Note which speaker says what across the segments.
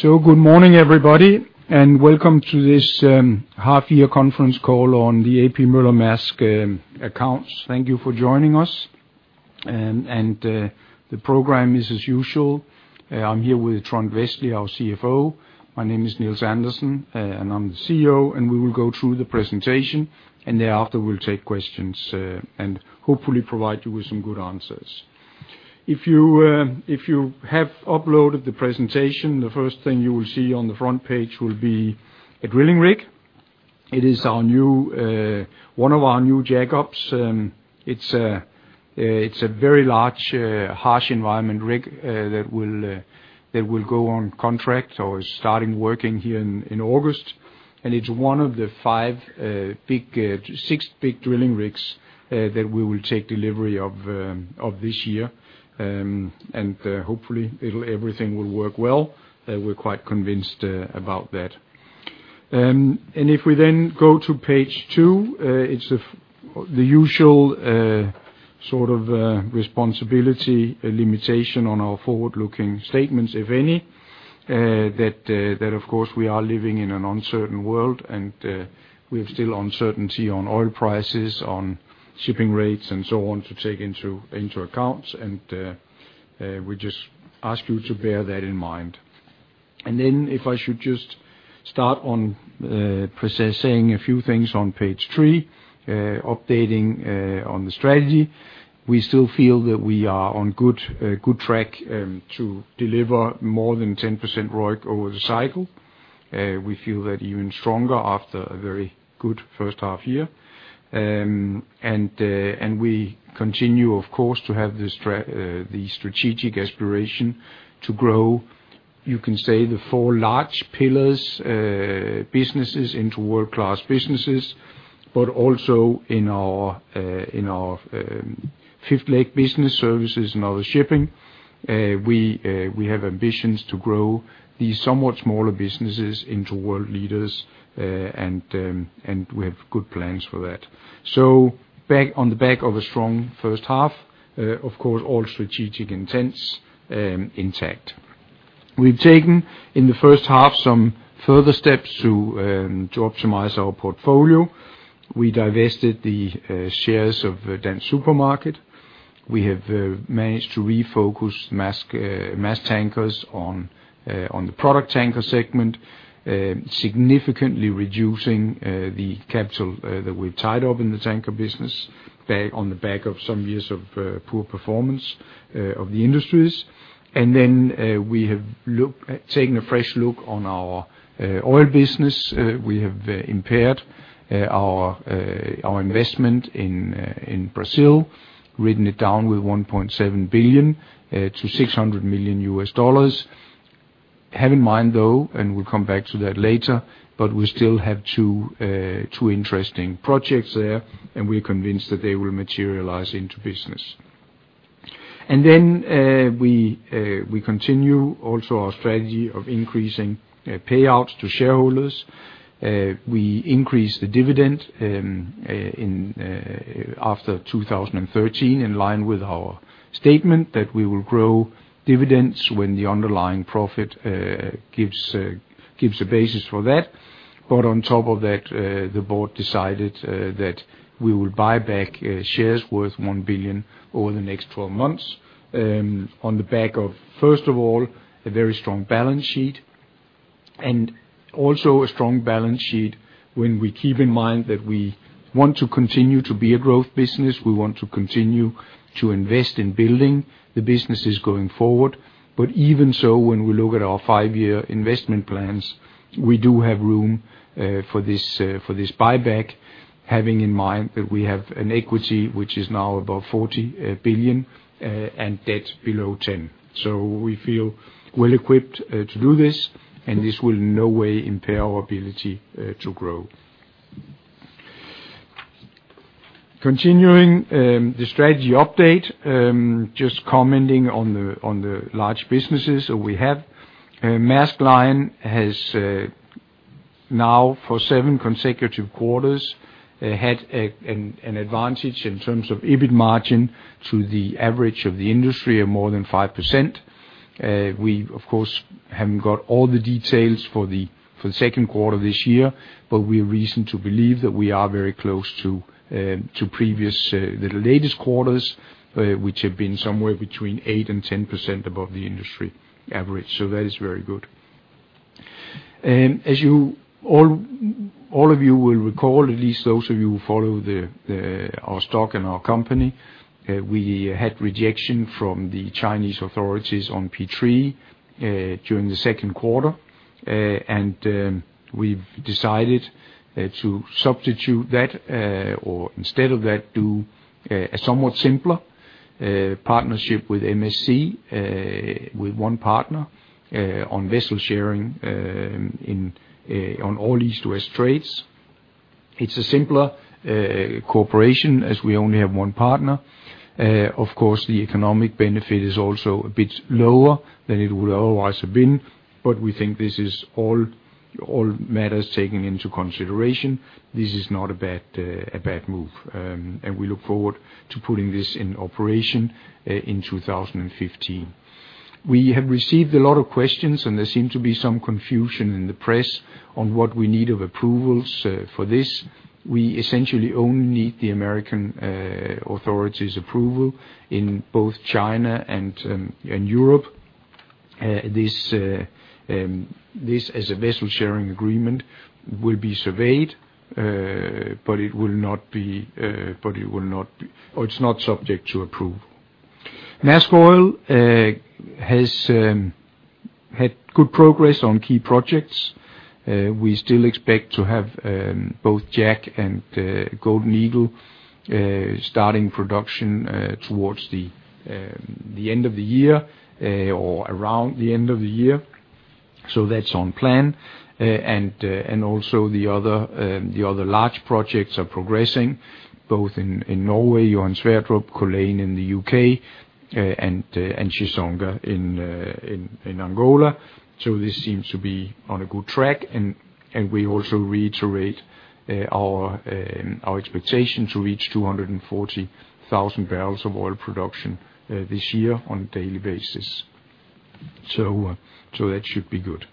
Speaker 1: Good morning, everybody, and welcome to this half year conference call on the A.P. Moller - Maersk accounts. Thank you for joining us. The program is as usual. I'm here with Trond Westlie, our CFO. My name is Nils Andersen, and I'm the CEO, and we will go through the presentation, and thereafter we'll take questions, and hopefully provide you with some good answers. If you have uploaded the presentation, the first thing you will see on the front page will be a drilling rig. It is our new one of our new jackups. It's a very large harsh environment rig that will go on contract or starting working here in August. It's one of the six big drilling rigs that we will take delivery of this year. Hopefully everything will work well. We're quite convinced about that. If we then go to page two, it's the usual sort of responsibility limitation on our forward-looking statements, if any. That of course we are living in an uncertain world and we have still uncertainty on oil prices, on shipping rates and so on to take into account. We just ask you to bear that in mind. If I should just start on presaying a few things on page three, updating on the strategy. We still feel that we are on good track to deliver more than 10% ROIC over the cycle. We feel that even stronger after a very good first half year. We continue, of course, to have the strategic aspiration to grow, you can say the four large pillars businesses into world-class businesses. But also in our fifth leg business services and other shipping, we have ambitions to grow these somewhat smaller businesses into world leaders. We have good plans for that. Back on the back of a strong first half, of course, all strategic intents intact. We've taken, in the first half, some further steps to optimize our portfolio. We divested the shares of Dansk Supermarked. We have managed to refocus Maersk Tankers on the product tanker segment, significantly reducing the capital that we've tied up in the tanker business, on the back of some years of poor performance of the industries. We have taken a fresh look on our oil business. We have impaired our investment in Brazil, written it down from $1.7 billion to $600 million. Have in mind, though, and we'll come back to that later, but we still have two interesting projects there, and we're convinced that they will materialize into business. We continue also our strategy of increasing payouts to shareholders. We increase the dividend in after 2013, in line with our statement that we will grow dividends when the underlying profit gives a basis for that. On top of that, the board decided that we will buy back shares worth $1 billion over the next 12 months, on the back of first of all a very strong balance sheet, and also a strong balance sheet when we keep in mind that we want to continue to be a growth business, we want to continue to invest in building the businesses going forward. Even so, when we look at our 5-year investment plans, we do have room for this buyback, having in mind that we have an equity which is now above $40 billion and debt below $10 billion. We feel well equipped to do this, and this will in no way impair our ability to grow. Continuing the strategy update, just commenting on the large businesses that we have. Maersk Line has now for seven consecutive quarters had an advantage in terms of EBIT margin to the average of the industry of more than 5%. We of course haven't got all the details for the second quarter this year, but we have reason to believe that we are very close to the latest quarters, which have been somewhere between 8%-10% above the industry average. That is very good. As all of you will recall, at least those of you who follow our stock and our company, we had rejection from the Chinese authorities on P3 during the second quarter. We've decided to substitute that or instead of that do a somewhat simpler partnership with MSC with one partner on vessel sharing on all East-West trades. It's a simpler cooperation as we only have one partner. Of course, the economic benefit is also a bit lower than it would otherwise have been. We think this is, all matters taken into consideration, not a bad move. We look forward to putting this in operation in 2015. We have received a lot of questions, and there seem to be some confusion in the press on what we need of approvals for this. We essentially only need the American authorities approval in both China and Europe. This as a vessel sharing agreement will be surveyed, but it will not be. Or it's not subject to approval. Maersk Oil has had good progress on key projects. We still expect to have both Jackdaw and Golden Eagle starting production towards the end of the year or around the end of the year. That's on plan. Also the other large projects are progressing both in Norway, Johan Sverdrup, Culzean in the UK, and Chissonga in Angola. This seems to be on a good track. We also reiterate our expectation to reach 240,000 barrels of oil production this year on a daily basis. That should be good.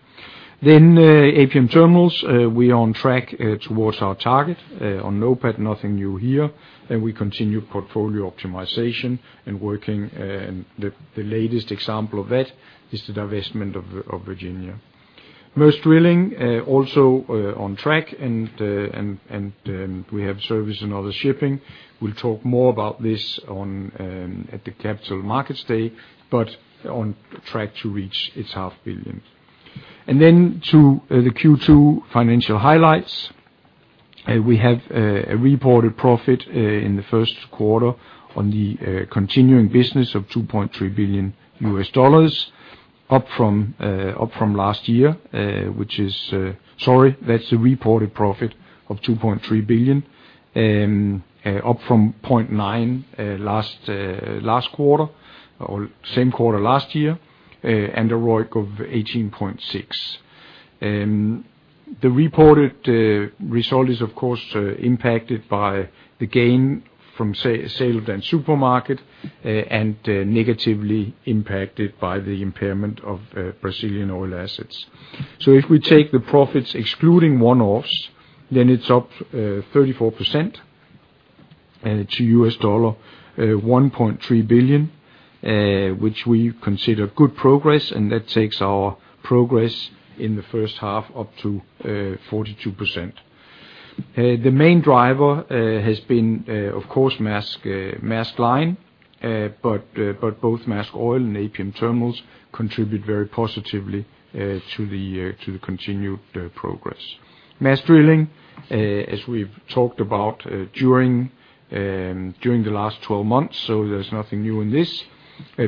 Speaker 1: APM Terminals, we are on track towards our target. On OPEX nothing new here, and we continue portfolio optimization and working. The latest example of that is the divestment of Port of Virginia. Maersk Drilling also on track, and we have Maersk Supply Service and other shipping. We'll talk more about this at the Capital Markets Day, but on track to reach its $500 million. To the Q2 financial highlights. We have a reported profit in the first quarter on the continuing business of $2.3 billion, up from last year. That's the reported profit of $2.3 billion, up from 0.9 last quarter or same quarter last year, and a ROIC of 18.6. The reported result is of course impacted by the gain from sale of Dansk Supermarked and negatively impacted by the impairment of Brazilian oil assets. If we take the profits excluding one-offs, then it's up 34% to $1.3 billion, which we consider good progress, and that takes our progress in the first half up to 42%. The main driver has been, of course, Maersk Line. But both Maersk Oil and APM Terminals contribute very positively to the continued progress. Maersk Drilling, as we've talked about during the last 12 months, so there's nothing new in this,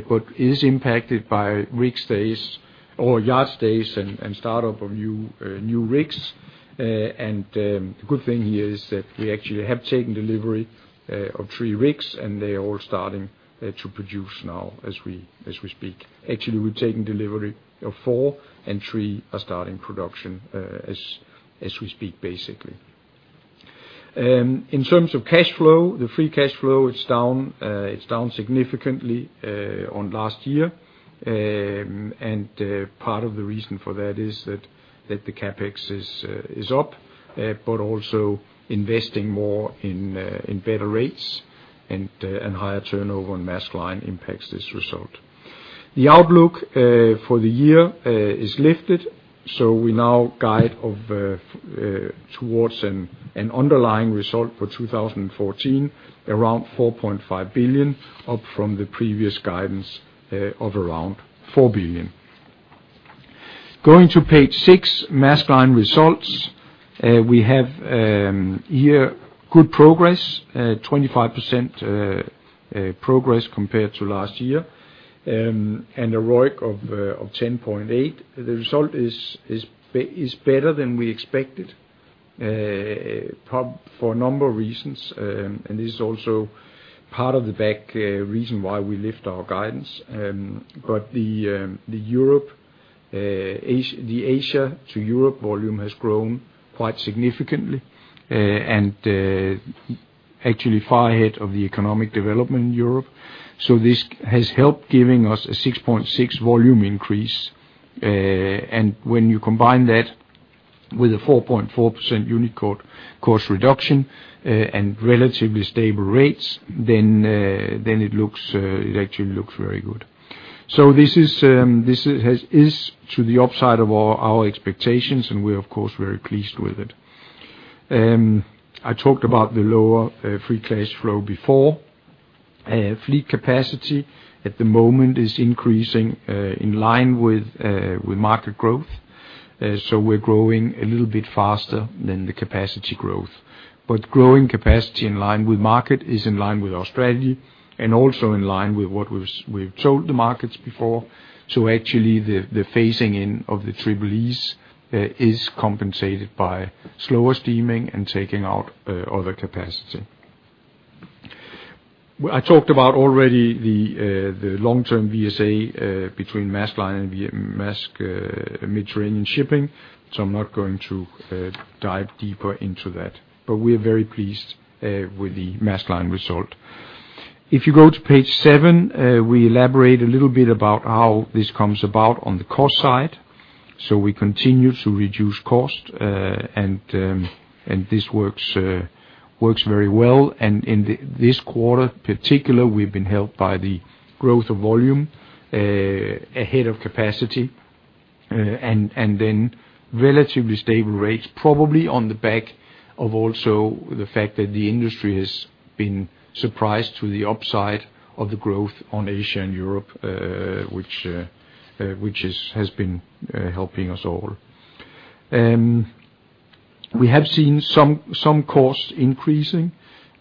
Speaker 1: but is impacted by rig stays or yard stays and start of new rigs. And the good thing here is that we actually have taken delivery of 3 rigs, and they are all starting to produce now as we speak. Actually, we've taken delivery of 4, and 3 are starting production, as we speak, basically. In terms of cash flow, the free cash flow, it's down significantly on last year. Part of the reason for that is that the CapEx is up, but also investing more in better rates and higher turnover on Maersk Line impacts this result. The outlook for the year is lifted, so we now guide of towards an underlying result for 2014, around $4.5 billion, up from the previous guidance of around $4 billion. Going to page six, Maersk Line results. We have here good progress, 25% progress compared to last year, and a ROIC of 10.8. The result is better than we expected for a number of reasons, and this is also part of the big reason why we lift our guidance. The Asia to Europe volume has grown quite significantly, and actually far ahead of the economic development in Europe. This has helped giving us a 6.6 volume increase. When you combine that with a 4.4% unit cost reduction, and relatively stable rates, then it looks, it actually looks very good. This is to the upside of our expectations, and we're of course very pleased with it. I talked about the lower free cash flow before. Fleet capacity at the moment is increasing in line with market growth. We're growing a little bit faster than the capacity growth. Growing capacity in line with market is in line with our strategy and also in line with what we've told the markets before. Actually, the phasing in of the Triple-E is compensated by slower steaming and taking out other capacity. I talked about already the long-term VSA between Maersk Line and MSC, Mediterranean Shipping, so I'm not going to dive deeper into that. We are very pleased with the Maersk Line result. If you go to page seven, we elaborate a little bit about how this comes about on the cost side. We continue to reduce cost and this works very well. In this quarter in particular, we've been helped by the growth of volume ahead of capacity and then relatively stable rates. Probably on the back of also the fact that the industry has been surprised to the upside of the growth on Asia and Europe, which has been helping us all. We have seen some costs increasing.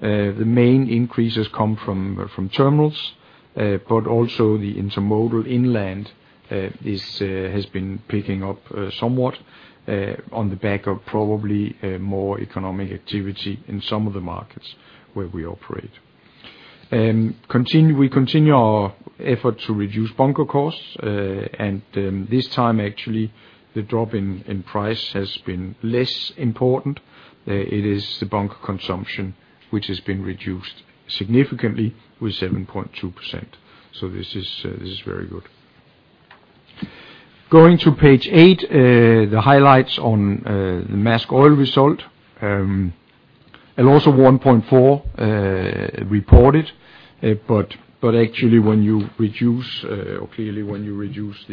Speaker 1: The main increases come from terminals, but also the intermodal inland has been picking up somewhat on the back of probably more economic activity in some of the markets where we operate. We continue our effort to reduce bunker costs. This time actually the drop in price has been less important. It is the bunker consumption which has been reduced significantly with 7.2%. This is very good. Going to page eight, the highlights on the Maersk Oil result. A loss of $1.4 reported. Actually when you reduce or clearly when you reduce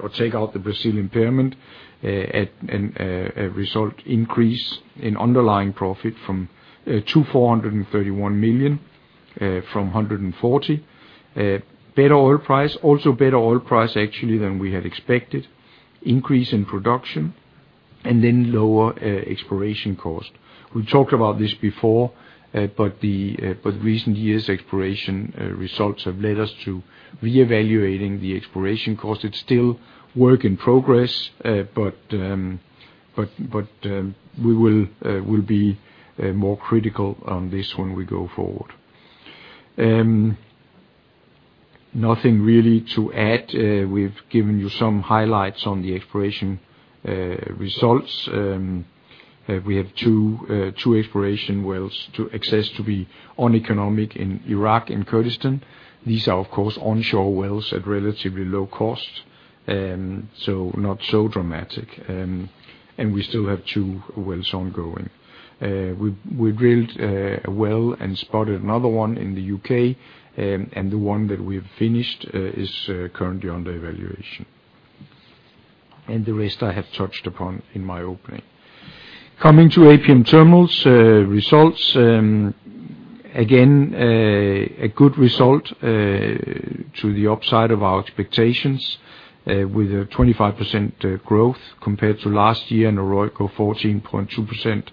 Speaker 1: or take out the Brazil impairment and a result increase in underlying profit from $140 million to $431 million. Better oil price actually than we had expected. Increase in production and then lower exploration cost. We talked about this before, but recent years exploration results have led us to reevaluating the exploration cost. It's still work in progress, but we will be more critical on this when we go forward. Nothing really to add. We've given you some highlights on the exploration results. We have two exploration wells that assessed to be uneconomic in Iraq and Kurdistan. These are of course onshore wells at relatively low cost, so not so dramatic. We still have two wells ongoing. We drilled a well and spudded another one in the UK. The one that we've finished is currently under evaluation. The rest I have touched upon in my opening. Coming to APM Terminals results. Again, a good result to the upside of our expectations with a 25% growth compared to last year and a ROIC of 14.2%,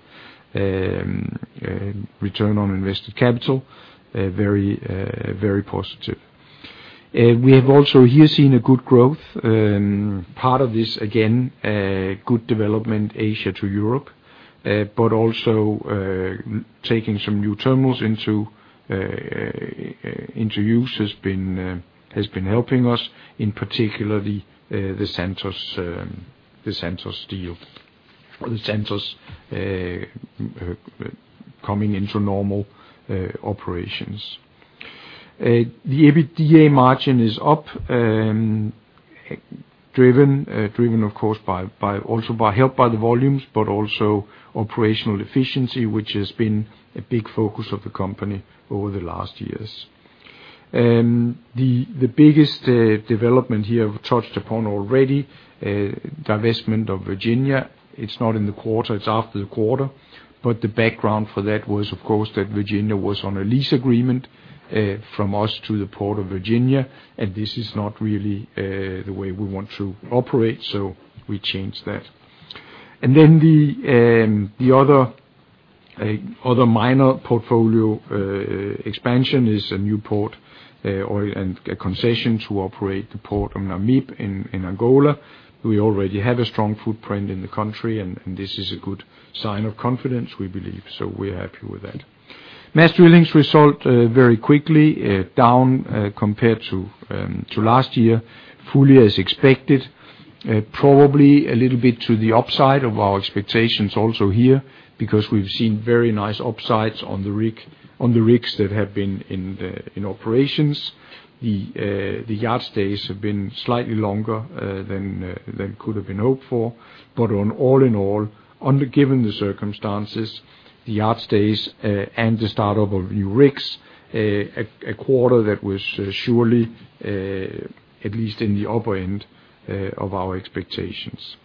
Speaker 1: return on invested capital. Very positive. We have also here seen a good growth. Part of this, again, good development Asia to Europe. Also, taking some new terminals into use has been helping us, in particular the Santos deal. The Santos coming into normal operations. The EBITDA margin is up, driven of course also helped by the volumes, but also operational efficiency, which has been a big focus of the company over the last years. The biggest development here I've touched upon already, divestment of Virginia. It's not in the quarter, it's after the quarter, but the background for that was of course that Virginia was on a lease agreement from us to the Port of Virginia, and this is not really the way we want to operate. We changed that. The other minor portfolio expansion is a new port or a concession to operate the port of Namibe in Angola. We already have a strong footprint in the country, and this is a good sign of confidence we believe, so we're happy with that. Maersk Drilling's result very quickly down compared to last year, fully as expected. Probably a little bit to the upside of our expectations also here, because we've seen very nice upsides on the rigs that have been in operations. The yard stays have been slightly longer than could have been hoped for. All in all, under the given circumstances, the yard stays and the start of new rigs, a quarter that was surely at least in the upper end of our expectations.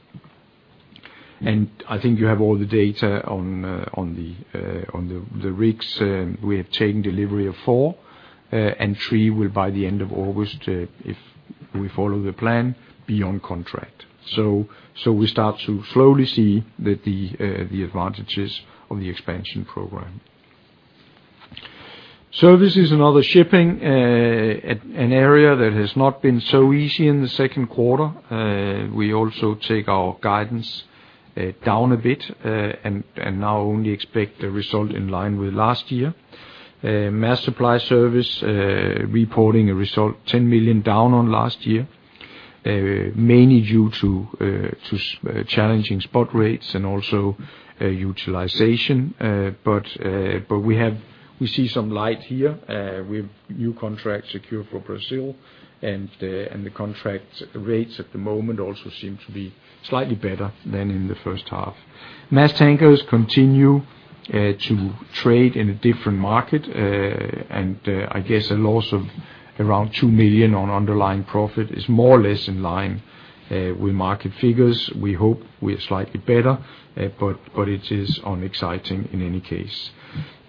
Speaker 1: I think you have all the data on the rigs. We have taken delivery of 4 and 3 will, by the end of August, if we follow the plan, be on contract. We start to slowly see the advantages of the expansion program. Services and other shipping an area that has not been so easy in the second quarter. We also take our guidance down a bit and now only expect a result in line with last year. Maersk Supply Service reporting a result $10 million down on last year. Mainly due to challenging spot rates and also utilization. We see some light here with new contracts secured for Brazil, and the contract rates at the moment also seem to be slightly better than in the first half. Maersk Tankers continue to trade in a different market. I guess a loss of around $2 million on underlying profit is more or less in line with market figures. We hope we're slightly better, but it is unexciting in any case.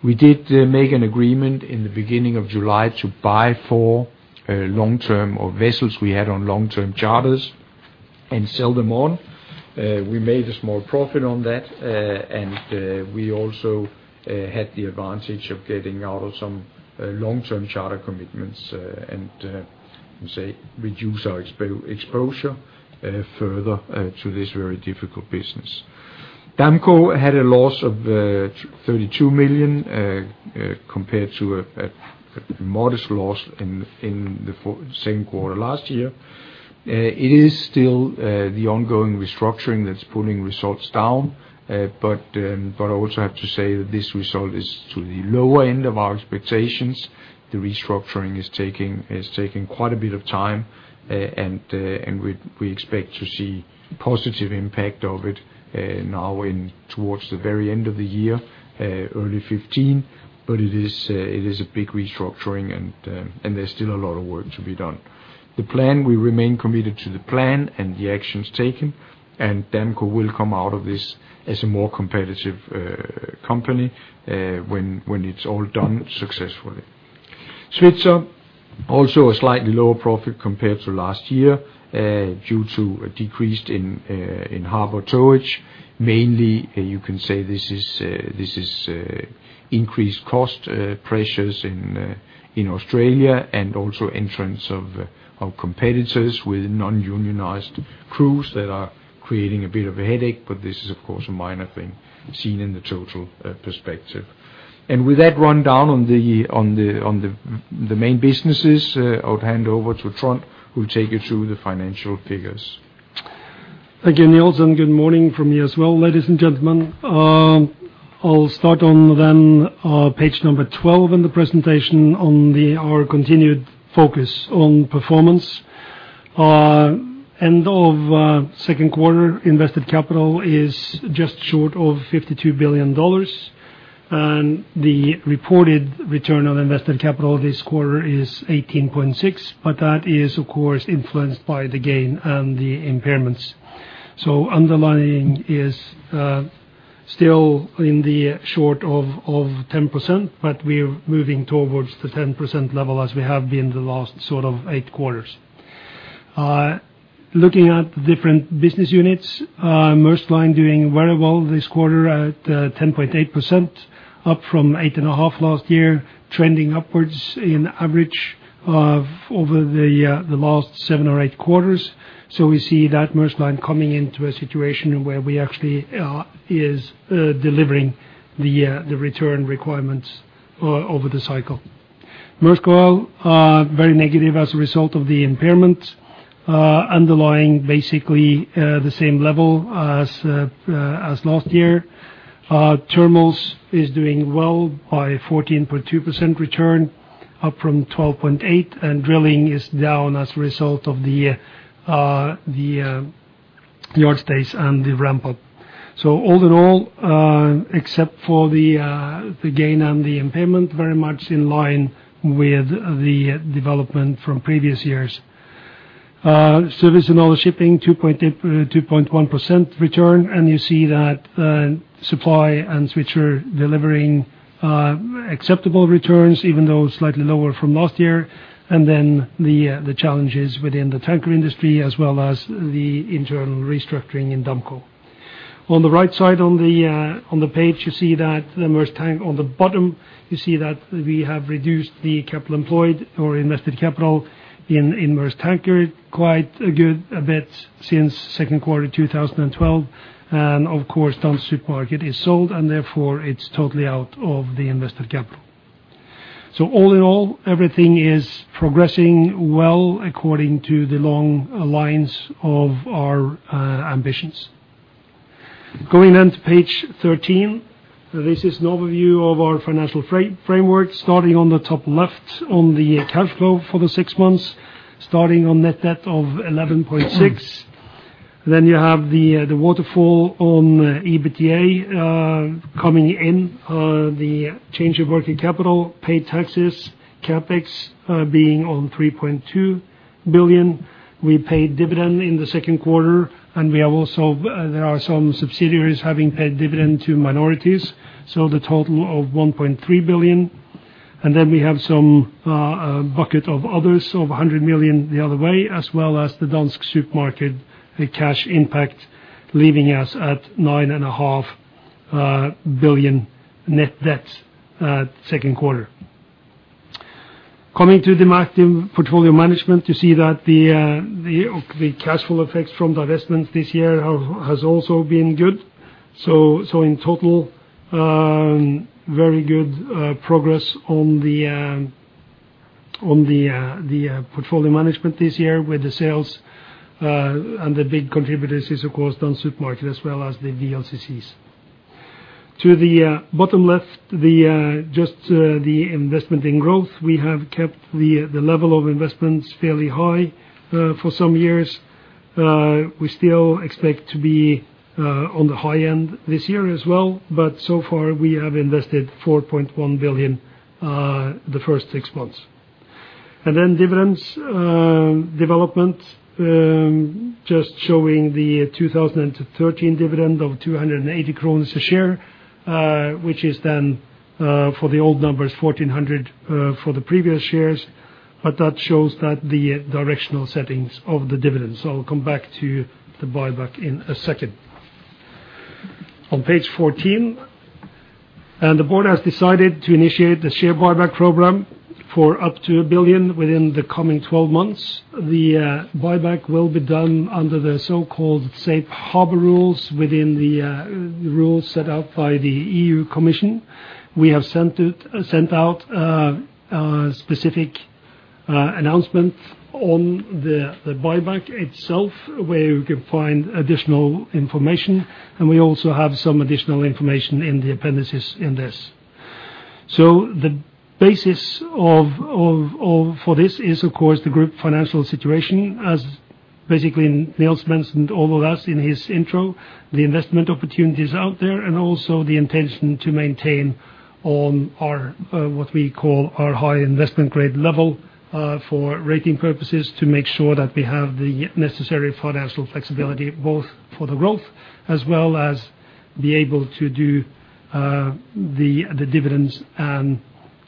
Speaker 1: We did make an agreement in the beginning of July to buy 4 vessels we had on long-term charters and sell them on. We made a small profit on that. We also had the advantage of getting out of some long-term charter commitments and reduce our exposure further to this very difficult business. Damco had a loss of $32 million compared to a modest loss in the second quarter last year. It is still the ongoing restructuring that's pulling results down. I also have to say that this result is to the lower end of our expectations. The restructuring is taking quite a bit of time, and we expect to see positive impact of it now in towards the very end of the year, early 2015. It is a big restructuring, and there's still a lot of work to be done. The plan, we remain committed to the plan and the actions taken, and Damco will come out of this as a more competitive company when it's all done successfully. Svitzer, also a slightly lower profit compared to last year due to a decrease in harbor towage. Mainly, you can say this is increased cost pressures in Australia and also entrance of competitors with non-unionized crews that are creating a bit of a headache. But this is, of course, a minor thing seen in the total perspective. With that rundown on the main businesses, I'll hand over to Trond, who'll take you through the financial figures.
Speaker 2: Thank you, Nils, and good morning from me as well, ladies and gentlemen. I'll start then on page 12 in the presentation on our continued focus on performance. End of second quarter invested capital is just short of $52 billion, and the reported return on invested capital this quarter is 18.6%. That is, of course, influenced by the gain and the impairments. Underlying is still just short of 10%, but we're moving towards the 10% level as we have been the last sort of eight quarters. Looking at the different business units, Maersk Line doing very well this quarter at 10.8%, up from 8.5% last year, trending upwards on average over the last seven or eight quarters. We see that Maersk Line coming into a situation where we actually is delivering the return requirements over the cycle. Maersk Oil very negative as a result of the impairment. Underlying basically the same level as last year. Terminals is doing well by 14.2% return, up from 12.8, and Drilling is down as a result of the yard stays and the ramp up. All in all, except for the gain and the impairment, very much in line with the development from previous years. Service and other shipping, 2.1% return, and you see that Supply and Svitzer delivering acceptable returns, even though slightly lower from last year. The challenges within the tanker industry, as well as the internal restructuring in Damco. On the right side on the page, you see that the Maersk Tankers on the bottom, you see that we have reduced the capital employed or invested capital in Maersk Tankers quite a good bit since second quarter 2012. Of course, Dansk Supermarked is sold, and therefore it's totally out of the invested capital. All in all, everything is progressing well according to the long lines of our ambitions. Going on to page 13. This is an overview of our financial framework, starting on the top left on the cash flow for the six months, starting on net debt of $11.6. You have the waterfall on EBITDA coming in, the change of working capital, paid taxes, CapEx being on $3.2 billion. We paid dividend in the second quarter, and we have also, there are some subsidiaries having paid dividend to minorities, so the total of $1.3 billion. We have some bucket of others, of $100 million the other way, as well as the Dansk Supermarked, the cash impact leaving us at $9.5 billion net debt at second quarter. Coming to the margin portfolio management, you see that the cash flow effects from divestments this year has also been good. In total, very good progress on the portfolio management this year with the sales. The big contributors is, of course, Dansk Supermarked, as well as the VLCCs. To the bottom left, just the investment in growth. We have kept the level of investments fairly high for some years. We still expect to be on the high end this year as well, but so far we have invested $4.1 billion the first six months. Then dividends development just showing the 2013 dividend of 280 a share, which is then for the old numbers, 1,400 for the previous shares, but that shows that the directional settings of the dividends. I'll come back to the buyback in a second. On page 14, the board has decided to initiate the share buyback program for up to $1 billion within the coming 12 months. The buyback will be done under the so-called safe harbor rules within the rules set out by the EU Commission. We have sent out specific announcements on the buyback itself, where we can find additional information. We also have some additional information in the appendices in this. The basis for this is, of course, the group financial situation as basically Nils mentioned all of us in his intro, the investment opportunities out there, and also the intention to maintain on our what we call our high investment grade level for rating purposes, to make sure that we have the necessary financial flexibility, both for the growth as well as be able to do the dividends and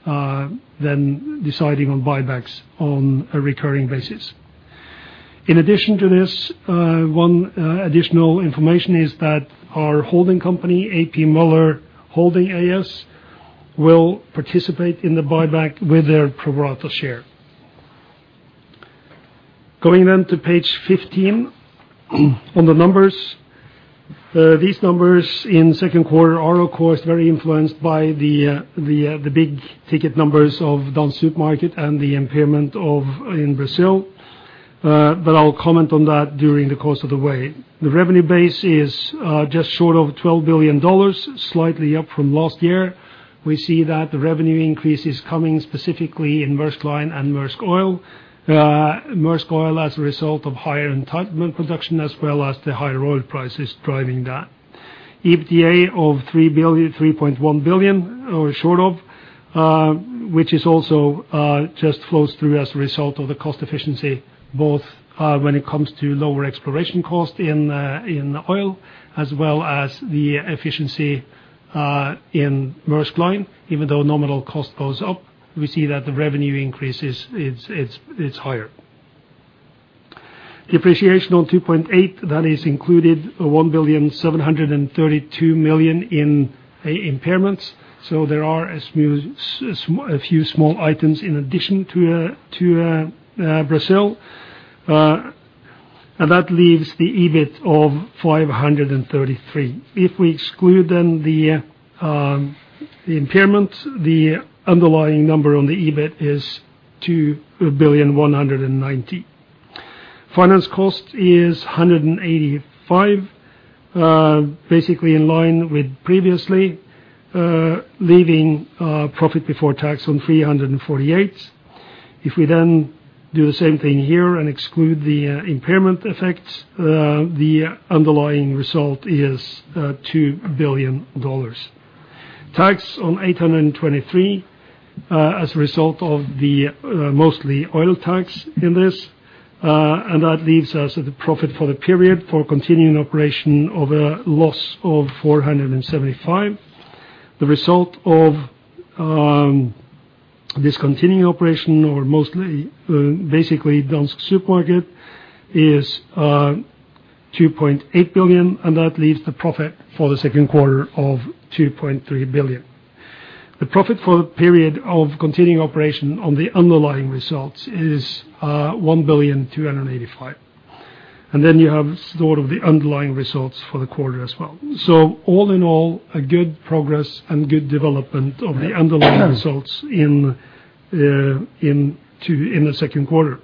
Speaker 2: then deciding on buybacks on a recurring basis. In addition to this, additional information is that our holding company, A.P. Møller Holding A/S, will participate in the buyback with their pro rata share. Going on to page 15 on the numbers. These numbers in second quarter are, of course, very influenced by the big ticket numbers of Dansk Supermarked and the impairment in Brazil. I will comment on that during the course of the way. The revenue base is just short of $12 billion, slightly up from last year. We see that the revenue increase is coming specifically in Maersk Line and Maersk Oil. Maersk Oil, as a result of higher entitlement production, as well as the higher oil prices driving that. EBITDA of $3.1 billion or short of, which is also just flows through as a result of the cost efficiency, both when it comes to lower exploration cost in in oil, as well as the efficiency in Maersk Line, even though nominal cost goes up, we see that the revenue increase is higher. Depreciation of $2.8 billion, that is included $1.732 billion in impairments. There are a few small items in addition to Brazil. That leaves the EBIT of $533. If we exclude the impairment, the underlying number on the EBIT is $2.19 billion. Finance cost is $185, basically in line with previously, leaving profit before tax of $348. If we then do the same thing here and exclude the impairment effects, the underlying result is $2 billion. Tax on $823, as a result of the mostly oil tax in this. That leaves us with the profit for the period for continuing operation of a loss of $475. The result of discontinuing operations, basically Dansk Supermarked is $2.8 billion, and that leaves the profit for the second quarter of $2.3 billion. The profit for the period of continuing operations on the underlying results is $1.285 billion. Then you have sort of the underlying results for the quarter as well. All in all, a good progress and good development of the underlying results in the second quarter.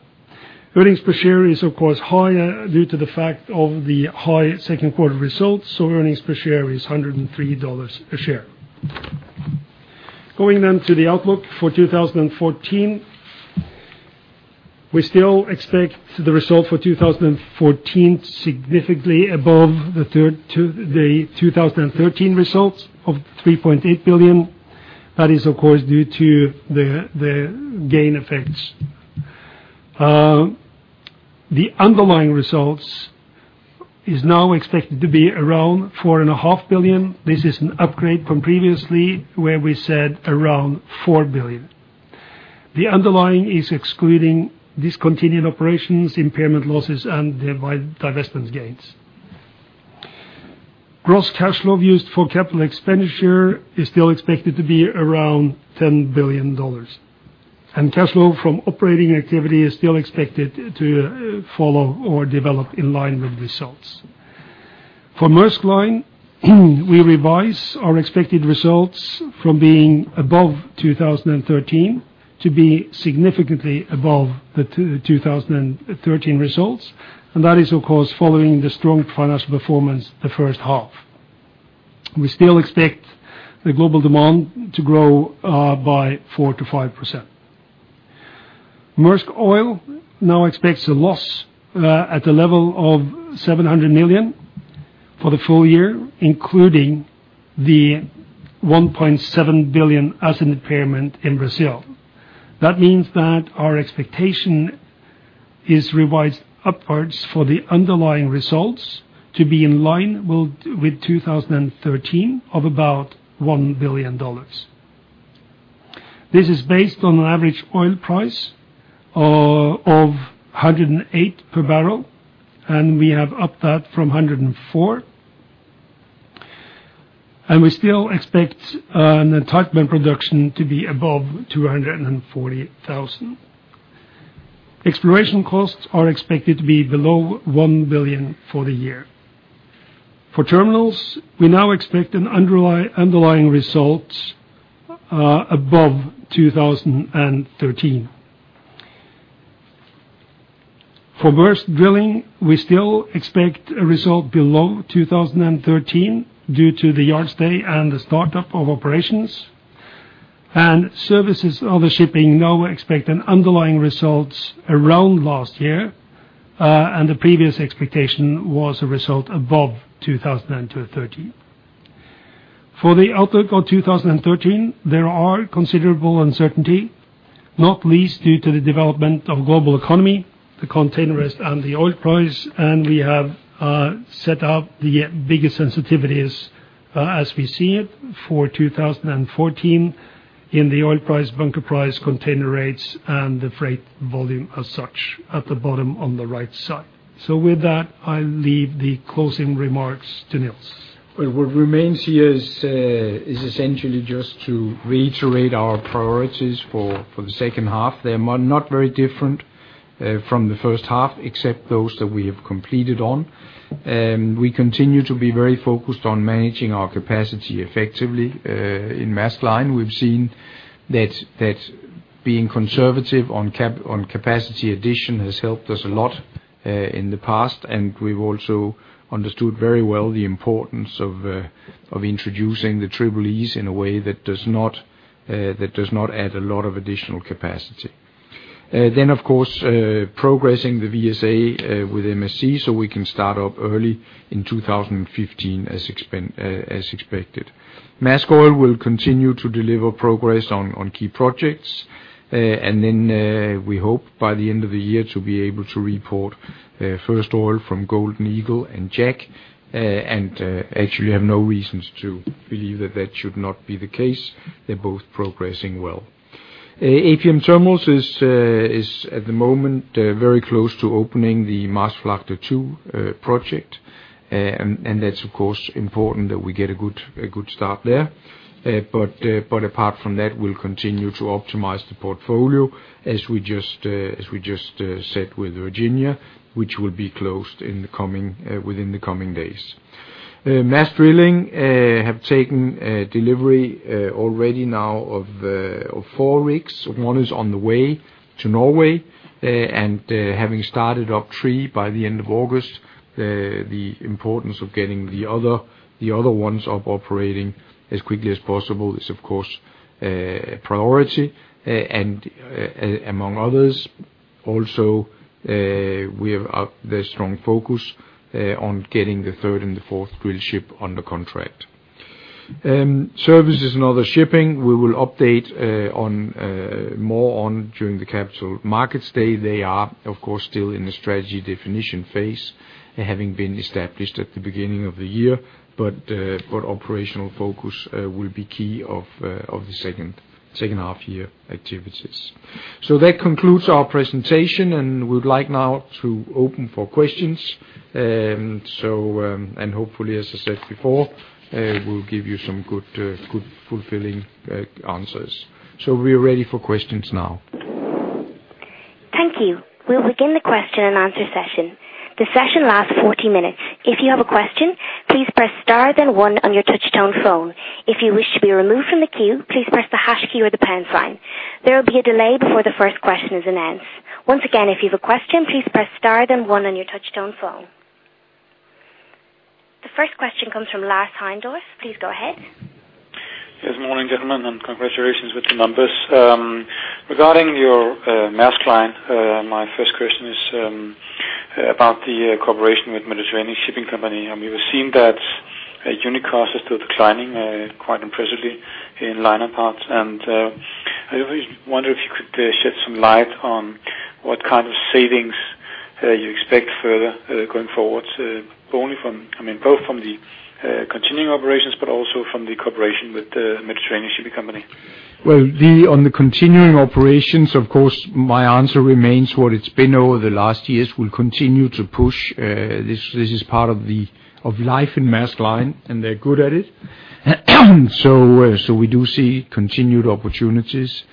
Speaker 2: Earnings per share is of course higher due to the fact of the high second quarter results. Earnings per share is $103 a share. Going then to the outlook for 2014. We still expect the result for 2014 to significantly above the third. The 2013 results of $3.8 billion. That is, of course, due to the gain effects. The underlying results is now expected to be around $4.5 billion. This is an upgrade from previously where we said around $4 billion. The underlying is excluding discontinued operations, impairment losses, and divestment gains. Gross cash flow used for capital expenditure is still expected to be around $10 billion. Cash flow from operating activity is still expected to follow or develop in line with results. For Maersk Line, we revise our expected results from being above 2013 to be significantly above the 2013 results. That is, of course, following the strong financial performance the first half. We still expect the global demand to grow by 4%-5%. Maersk Oil now expects a loss at the level of $700 million for the full year, including the $1.7 billion asset impairment in Brazil. That means that our expectation is revised upwards for the underlying results to be in line with 2013 of about $1 billion. This is based on an average oil price of $108 per barrel, and we have upped that from $104. We still expect an entitlement production to be above 240,000. Exploration costs are expected to be below $1 billion for the year. For terminals, we now expect an underlying result above 2013. For Maersk Drilling, we still expect a result below 2013 due to the yard stay and the start-up of operations. Services other shipping now expect an underlying results around last year, and the previous expectation was a result above 2013. For the outlook of 2013, there are considerable uncertainty, not least due to the development of global economy, the container rates, and the oil price. We have set up the biggest sensitivities, as we see it for 2014 in the oil price, bunker price, container rates, and the freight volume as such at the bottom on the right side. With that, I'll leave the closing remarks to Nils.
Speaker 1: Well, what remains here is essentially just to reiterate our priorities for the second half. They are not very different from the first half, except those that we have completed on. We continue to be very focused on managing our capacity effectively. In Maersk Line, we've seen that being conservative on capping capacity addition has helped us a lot in the past, and we've also understood very well the importance of introducing the Triple E in a way that does not add a lot of additional capacity. Of course, progressing the VSA with MSC, so we can start up early in 2015 as expected. Maersk Oil will continue to deliver progress on key projects. We hope by the end of the year to be able to report first oil from Golden Eagle and Jackdaw, and actually have no reasons to believe that that should not be the case. They're both progressing well. APM Terminals is at the moment very close to opening the Maasvlakte 2 project. That's of course important that we get a good start there. Apart from that, we'll continue to optimize the portfolio as we just said with Virginia, which will be closed within the coming days. Maersk Drilling have taken delivery already now of four rigs. One is on the way to Norway, and having started up 3 by the end of August, the importance of getting the other ones up operating as quickly as possible is, of course, a priority. Among others, also, we have a very strong focus on getting the third and the fourth drillship under contract. Services and other shipping, we will update more on during the Capital Markets Day. They are, of course, still in the strategy definition phase, having been established at the beginning of the year, but operational focus will be key of the second half year activities. That concludes our presentation, and we would like now to open for questions. Hopefully, as I said before, we'll give you some good fulfilling answers. We are ready for questions now.
Speaker 3: Thank you. We'll begin the question and answer session. The session lasts 40 minutes. If you have a question, please press star then one on your touch tone phone. If you wish to be removed from the queue, please press the hash key or the pound sign. There will be a delay before the first question is announced. Once again, if you have a question, please press star then one on your touch tone phone. The first question comes from Lars Heindorff. Please go ahead.
Speaker 4: Yes, morning, gentlemen, and congratulations with the numbers. Regarding your Maersk Line, my first question is about the cooperation with Mediterranean Shipping Company. We were seeing that unit costs are still declining quite impressively in line apart. I always wonder if you could shed some light on what kind of savings you expect further going forward not only from, I mean, both from the continuing operations, but also from the cooperation with the Mediterranean Shipping Company.
Speaker 1: Well, on the continuing operations, of course, my answer remains what it's been over the last years. We'll continue to push, this is part of life in Maersk Line, and they're good at it. We do see continued opportunities.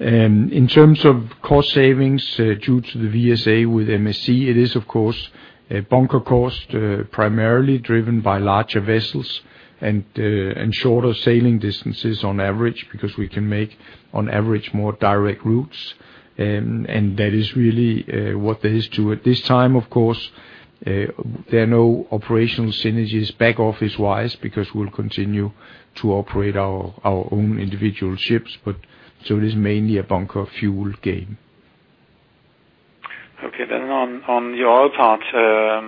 Speaker 1: In terms of cost savings due to the VSA with MSC, it is of course a bunker cost primarily driven by larger vessels and shorter sailing distances on average, because we can make, on average, more direct routes. And that is really what there is to it. This time, of course, there are no operational synergies back office-wise because we'll continue to operate our own individual ships. It is mainly a bunker fuel game.
Speaker 4: Okay. On the oil part, I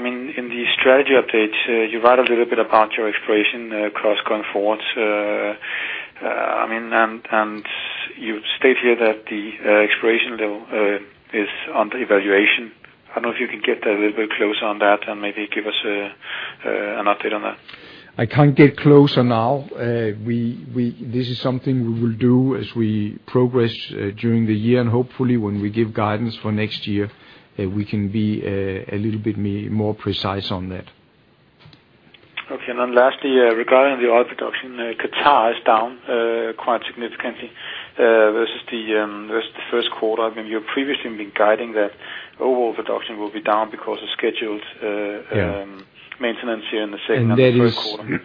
Speaker 4: mean, in the strategy updates, you write a little bit about your exploration across going forwards. I mean, and you state here that the exploration level is under evaluation. I don't know if you can get a little bit closer on that and maybe give us an update on that.
Speaker 1: I can't get closer now. This is something we will do as we progress during the year. Hopefully when we give guidance for next year, we can be a little bit more precise on that.
Speaker 4: Okay. Lastly, regarding the oil production, Qatar is down quite significantly versus the first quarter. I mean, you've previously been guiding that overall production will be down because of scheduled,
Speaker 1: Yeah
Speaker 4: Maintenance here in the second and the third quarter.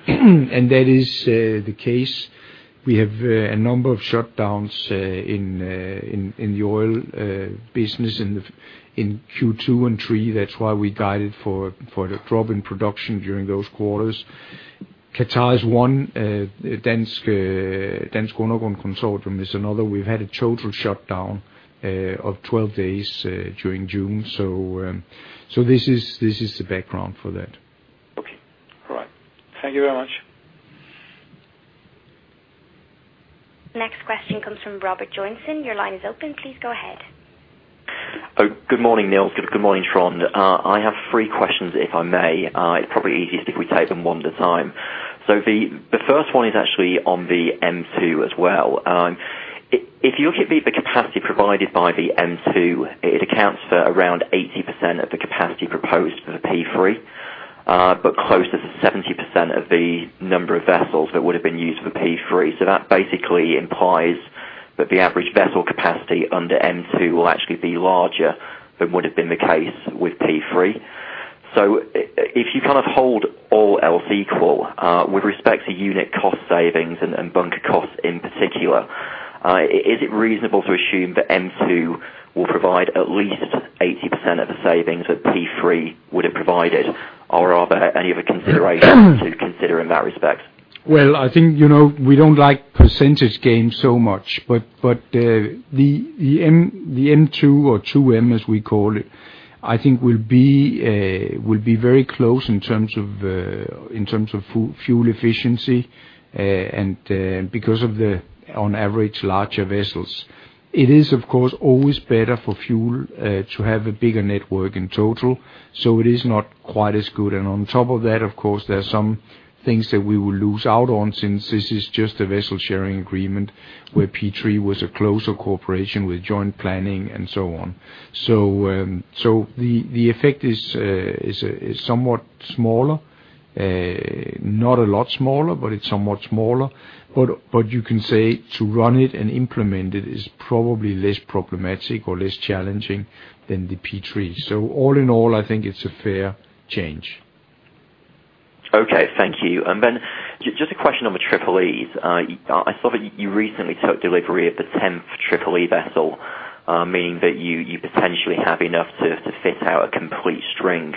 Speaker 1: That is the case. We have a number of shutdowns in the oil business in Q2 and 3. That's why we guided for the drop in production during those quarters. Qatar is one. Dansk Undergrunds Consortium is another. We've had a total shutdown of 12 days during June. This is the background for that.
Speaker 4: Okay. All right. Thank you very much.
Speaker 3: Next question comes from Robert Joynson. Your line is open. Please go ahead.
Speaker 5: Good morning, Nils. Good morning, Trond. I have three questions, if I may. It's probably easiest if we take them one at a time. The first one is actually on the 2M as well. If you look at the capacity provided by the 2M, it accounts for around 80% of the capacity proposed for the P3, but closer to 70% of the number of vessels that would've been used for P3. That basically implies that the average vessel capacity under 2M will actually be larger than would've been the case with P3. If you kind of hold all else equal, with respect to unit cost savings and bunker costs in particular, is it reasonable to assume that 2M will provide at least 80% of the savings that P3 would have provided, or are there any other considerations to consider in that respect?
Speaker 1: Well, I think, you know, we don't like percentage gains so much. The 2M or two M, as we call it, I think will be very close in terms of fuel efficiency. Because of the on average larger vessels. It is, of course, always better for fuel to have a bigger network in total, so it is not quite as good. On top of that, of course, there are some things that we will lose out on since this is just a vessel sharing agreement, where P3 was a closer cooperation with joint planning and so on. The effect is somewhat smaller. Not a lot smaller, but it's somewhat smaller. You can say to run it and implement it is probably less problematic or less challenging than the P3. All in all, I think it's a fair change.
Speaker 5: Okay, thank you. Just a question on the Triple-E's. I saw that you recently took delivery of the 10th Triple-E vessel, meaning that you potentially have enough to fit out a complete string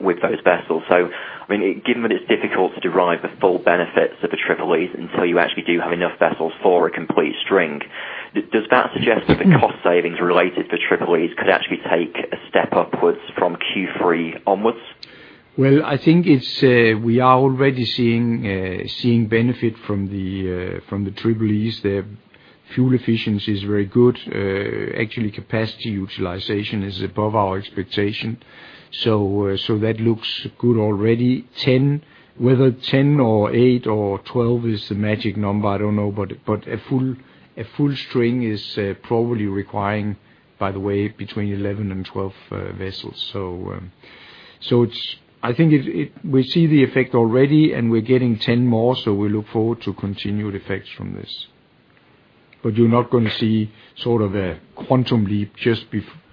Speaker 5: with those vessels. I mean, given that it's difficult to derive the full benefits of the Triple-E's until you actually do have enough vessels for a complete string, does that suggest that the cost savings related to Triple-E's could actually take a step upwards from Q3 onwards?
Speaker 1: Well, I think it's we are already seeing benefit from the Triple-E's. The fuel efficiency is very good. Actually, capacity utilization is above our expectation. That looks good already. Whether 10 or 8 or 12 is the magic number, I don't know. A full string is probably requiring, by the way, between 11 and 12 vessels. It's. I think it. We see the effect already, and we're getting 10 more, so we look forward to continued effects from this. You're not gonna see sort of a quantum leap just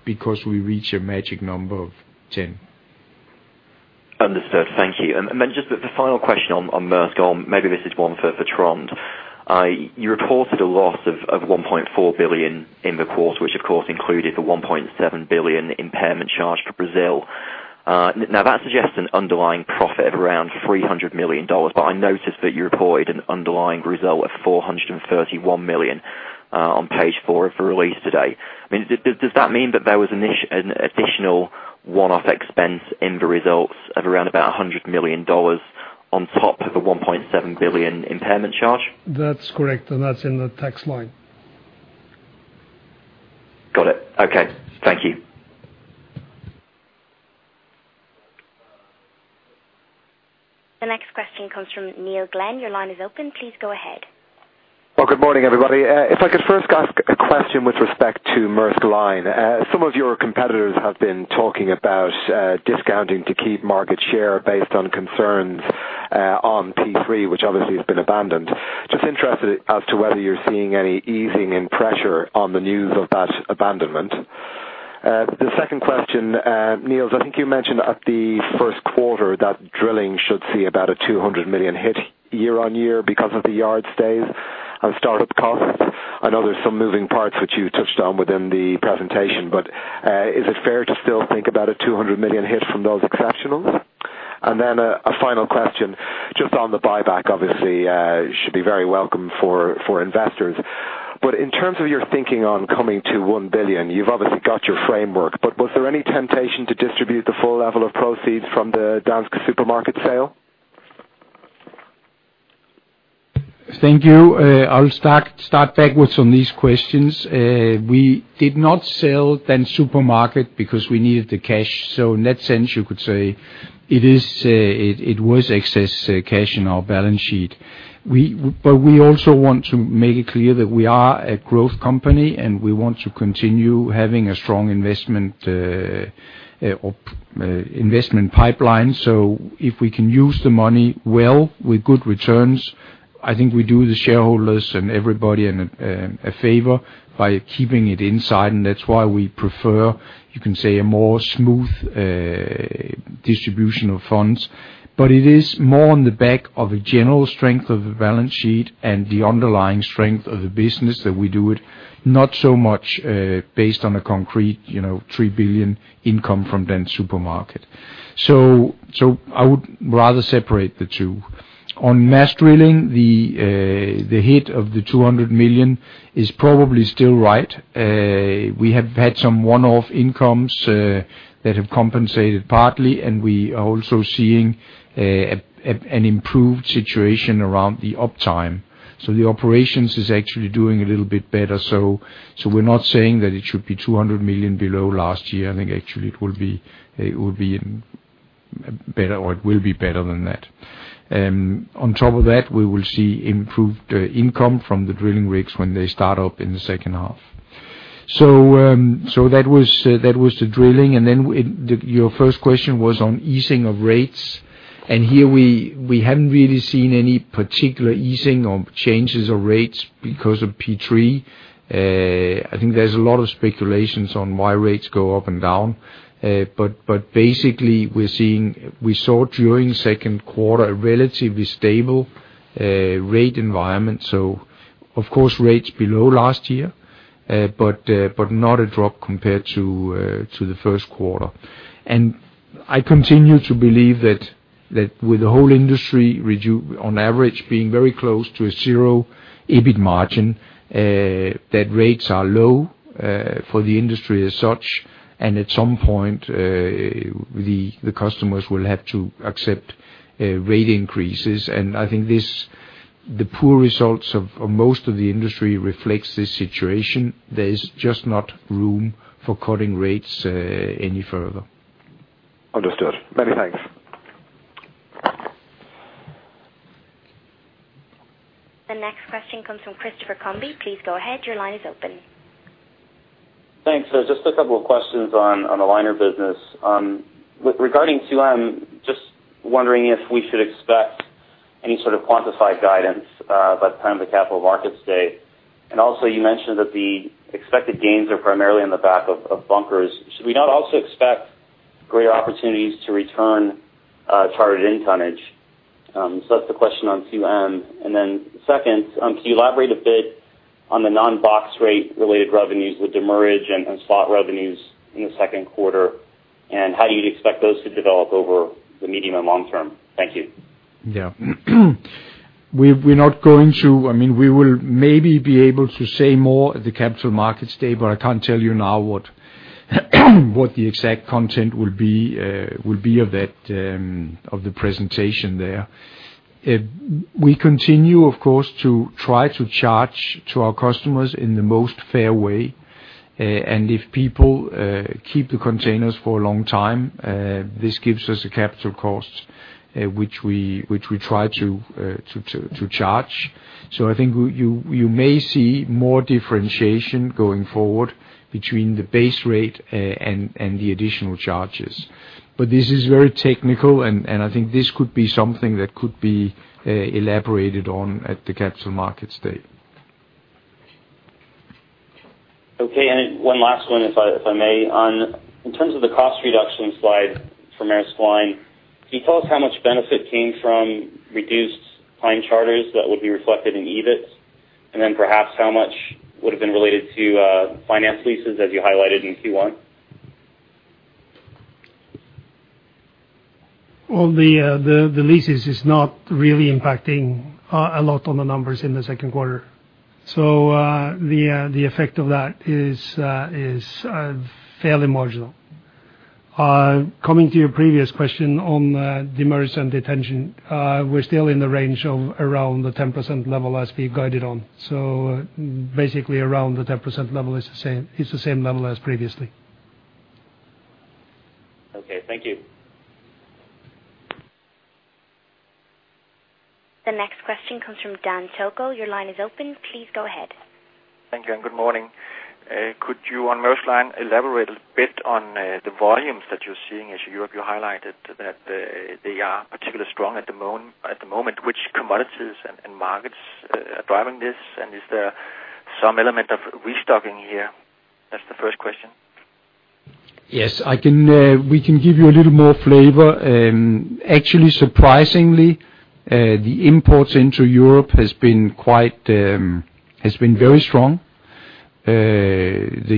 Speaker 1: because we reach a magic number of 10.
Speaker 5: Understood. Thank you. Then just the final question on Maersk, or maybe this is one for Trond. You reported a loss of $1.4 billion in the quarter, which of course included the $1.7 billion impairment charge to Brazil. Now, that suggests an underlying profit of around $300 million, but I notice that you reported an underlying result of $431 million on page four of the release today. I mean, does that mean that there was an additional one-off expense in the results of around about $100 million on top of the $1.7 billion impairment charge?
Speaker 4: That's correct, and that's in the tax line.
Speaker 5: Got it. Okay. Thank you.
Speaker 3: The next question comes from Neil Glynn. Your line is open. Please go ahead.
Speaker 6: Well, good morning, everybody. If I could first ask a question with respect to Maersk Line. Some of your competitors have been talking about discounting to keep market share based on concerns on P3, which obviously has been abandoned. Just interested as to whether you're seeing any easing in pressure on the news of that abandonment. The second question, Nils, I think you mentioned at the first quarter that drilling should see about a $200 million hit year-on-year because of the yard stays and start-up costs. I know there's some moving parts which you touched on within the presentation, but is it fair to still think about a $200 million hit from those exceptionals? And then a final question, just on the buyback, obviously should be very welcome for investors. In terms of your thinking on coming to $1 billion, you've obviously got your framework, but was there any temptation to distribute the full level of proceeds from the Dansk Supermarked sale?
Speaker 1: Thank you. I'll start backwards on these questions. We did not sell the supermarket because we needed the cash. In that sense, you could say it was excess cash in our balance sheet. We also want to make it clear that we are a growth company, and we want to continue having a strong investment pipeline. If we can use the money well with good returns, I think we do the shareholders and everybody a favor by keeping it inside, and that's why we prefer, you can say, a more smooth distribution of funds. It is more on the back of a general strength of the balance sheet and the underlying strength of the business that we do it, not so much based on a concrete $3 billion income from Dansk Supermarked. I would rather separate the two. On Maersk Drilling, the hit of the $200 million is probably still right. We have had some one-off incomes that have compensated partly, and we are also seeing an improved situation around the uptime. The operations is actually doing a little bit better. We're not saying that it should be $200 million below last year. I think actually it will be better than that. On top of that, we will see improved income from the drilling rigs when they start up in the second half. That was the drilling. Your first question was on easing of rates. Here we haven't really seen any particular easing or changes of rates because of P3. I think there's a lot of speculations on why rates go up and down. But basically, we saw during second quarter a relatively stable rate environment. Of course, rates below last year, but not a drop compared to the first quarter. I continue to believe that with the whole industry on average being very close to a zero EBIT margin, that rates are low for the industry as such, and at some point, the customers will have to accept rate increases. I think this, the poor results of most of the industry reflects this situation. There is just not room for cutting rates any further.
Speaker 6: Understood. Many thanks.
Speaker 3: The next question comes from Christopher Combe. Please go ahead. Your line is open.
Speaker 7: Thanks. Just a couple of questions on the liner business. With regard to 2M, just wondering if we should expect any sort of quantified guidance by the time of the Capital Markets Day. Also you mentioned that the expected gains are primarily in the back of bunkers. Should we not also expect greater opportunities to return chartered-in tonnage? That's the question on 2M. Second, can you elaborate a bit on the non-box rate-related revenues with demurrage and slot revenues in the second quarter, and how do you expect those to develop over the medium and long term? Thank you.
Speaker 1: Yeah. I mean, we will maybe be able to say more at the Capital Markets Day, but I can't tell you now what the exact content will be of that of the presentation there. We continue, of course, to try to charge to our customers in the most fair way. If people keep the containers for a long time, this gives us a capital cost, which we try to charge. I think you may see more differentiation going forward between the base rate and the additional charges. This is very technical, and I think this could be something that could be elaborated on at the Capital Markets Day.
Speaker 7: Okay. One last one, if I may. In terms of the cost reduction slide for Maersk Line, can you tell us how much benefit came from reduced line charters that would be reflected in EBIT? Then perhaps how much would have been related to finance leases as you highlighted in Q1?
Speaker 1: The leases is not really impacting a lot on the numbers in the second quarter. The effect of that is fairly marginal. Coming to your previous question on demurrage and detention, we're still in the range of around the 10% level as we've guided on. Basically, around the 10% level is the same, it's the same level as previously.
Speaker 7: Okay. Thank you.
Speaker 3: The next question comes from Dan Togo Jensen. Your line is open. Please go ahead.
Speaker 8: Thank you, and good morning. Could you, on Maersk Line, elaborate a bit on the volumes that you're seeing as you highlighted that they are particularly strong at the moment. Which commodities and markets are driving this? And is there some element of restocking here? That's the first question.
Speaker 1: Yes, I can, we can give you a little more flavor. Actually, surprisingly, the imports into Europe has been very strong. The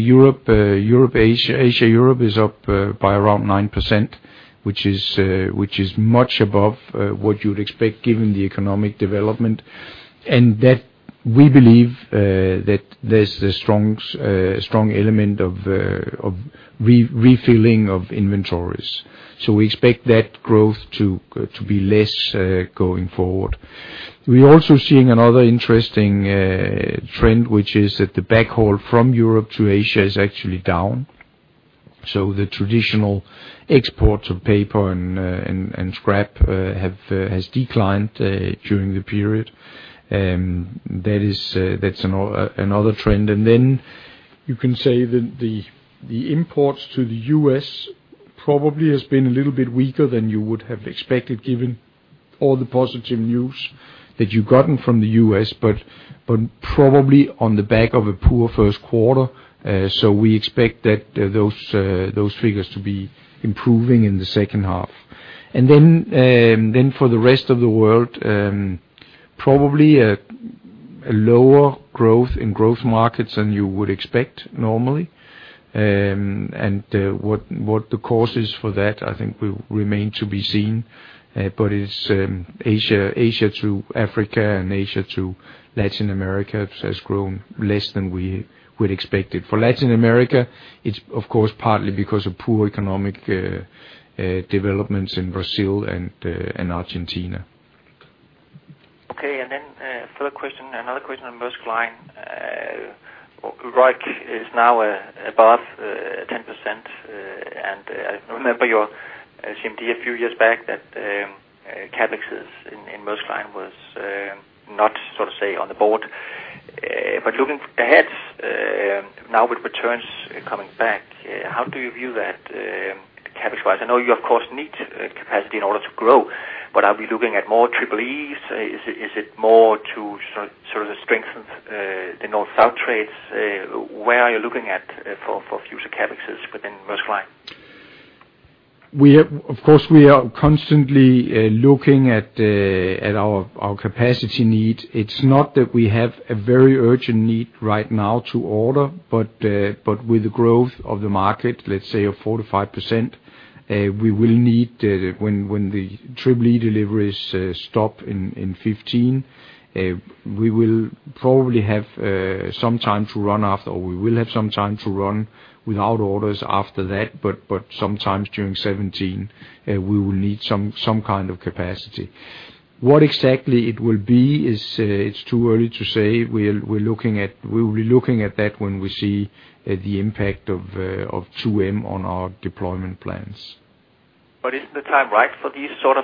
Speaker 1: Asia-Europe is up by around 9%, which is much above what you'd expect given the economic development. That we believe that there's a strong element of refilling of inventories. We expect that growth to be less going forward. We're also seeing another interesting trend, which is that the backhaul from Europe to Asia is actually down. The traditional exports of paper and scrap has declined during the period. That's another trend. You can say that the imports to the U.S. probably has been a little bit weaker than you would have expected given all the positive news that you've gotten from the U.S., but probably on the back of a poor first quarter. We expect that those figures to be improving in the second half. For the rest of the world, probably a lower growth in growth markets than you would expect normally. What the causes for that, I think will remain to be seen. It's Asia to Africa and Asia to Latin America has grown less than we would expect it. For Latin America, it's of course partly because of poor economic developments in Brazil and Argentina.
Speaker 8: Okay. Third question, another question on Maersk Line. ROIC is now above 10%, and I remember your CMD a few years back that CapExes in Maersk Line was not so to say on the board. Looking ahead, now with returns coming back, how do you view that, CapEx-wise? I know you of course need capacity in order to grow, but are we looking at more Triple-Es? Is it more to sort of strengthen the North-South trades? Where are you looking at for future CapExes within Maersk Line?
Speaker 1: We are, of course, constantly looking at our capacity need. It's not that we have a very urgent need right now to order, but with the growth of the market, let's say of 4%-5%, we will need when the Triple-E deliveries stop in 2015, we will probably have some time to run after or we will have some time to run without orders after that. Sometimes during 2017, we will need some kind of capacity. What exactly it will be is, it's too early to say. We'll be looking at that when we see the impact of 2M on our deployment plans.
Speaker 8: Isn't the time right for these sort of,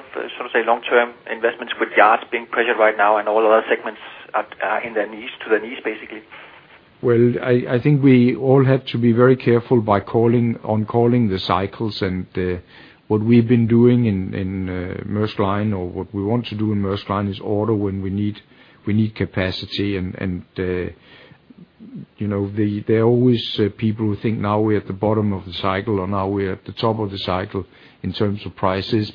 Speaker 8: say, long-term investments with yards being pressured right now and all other segments to their knees, basically?
Speaker 1: Well, I think we all have to be very careful calling the cycles and what we've been doing in Maersk Line or what we want to do in Maersk Line is order when we need capacity and you know, there are always people who think now we're at the bottom of the cycle or now we're at the top of the cycle in terms of prices.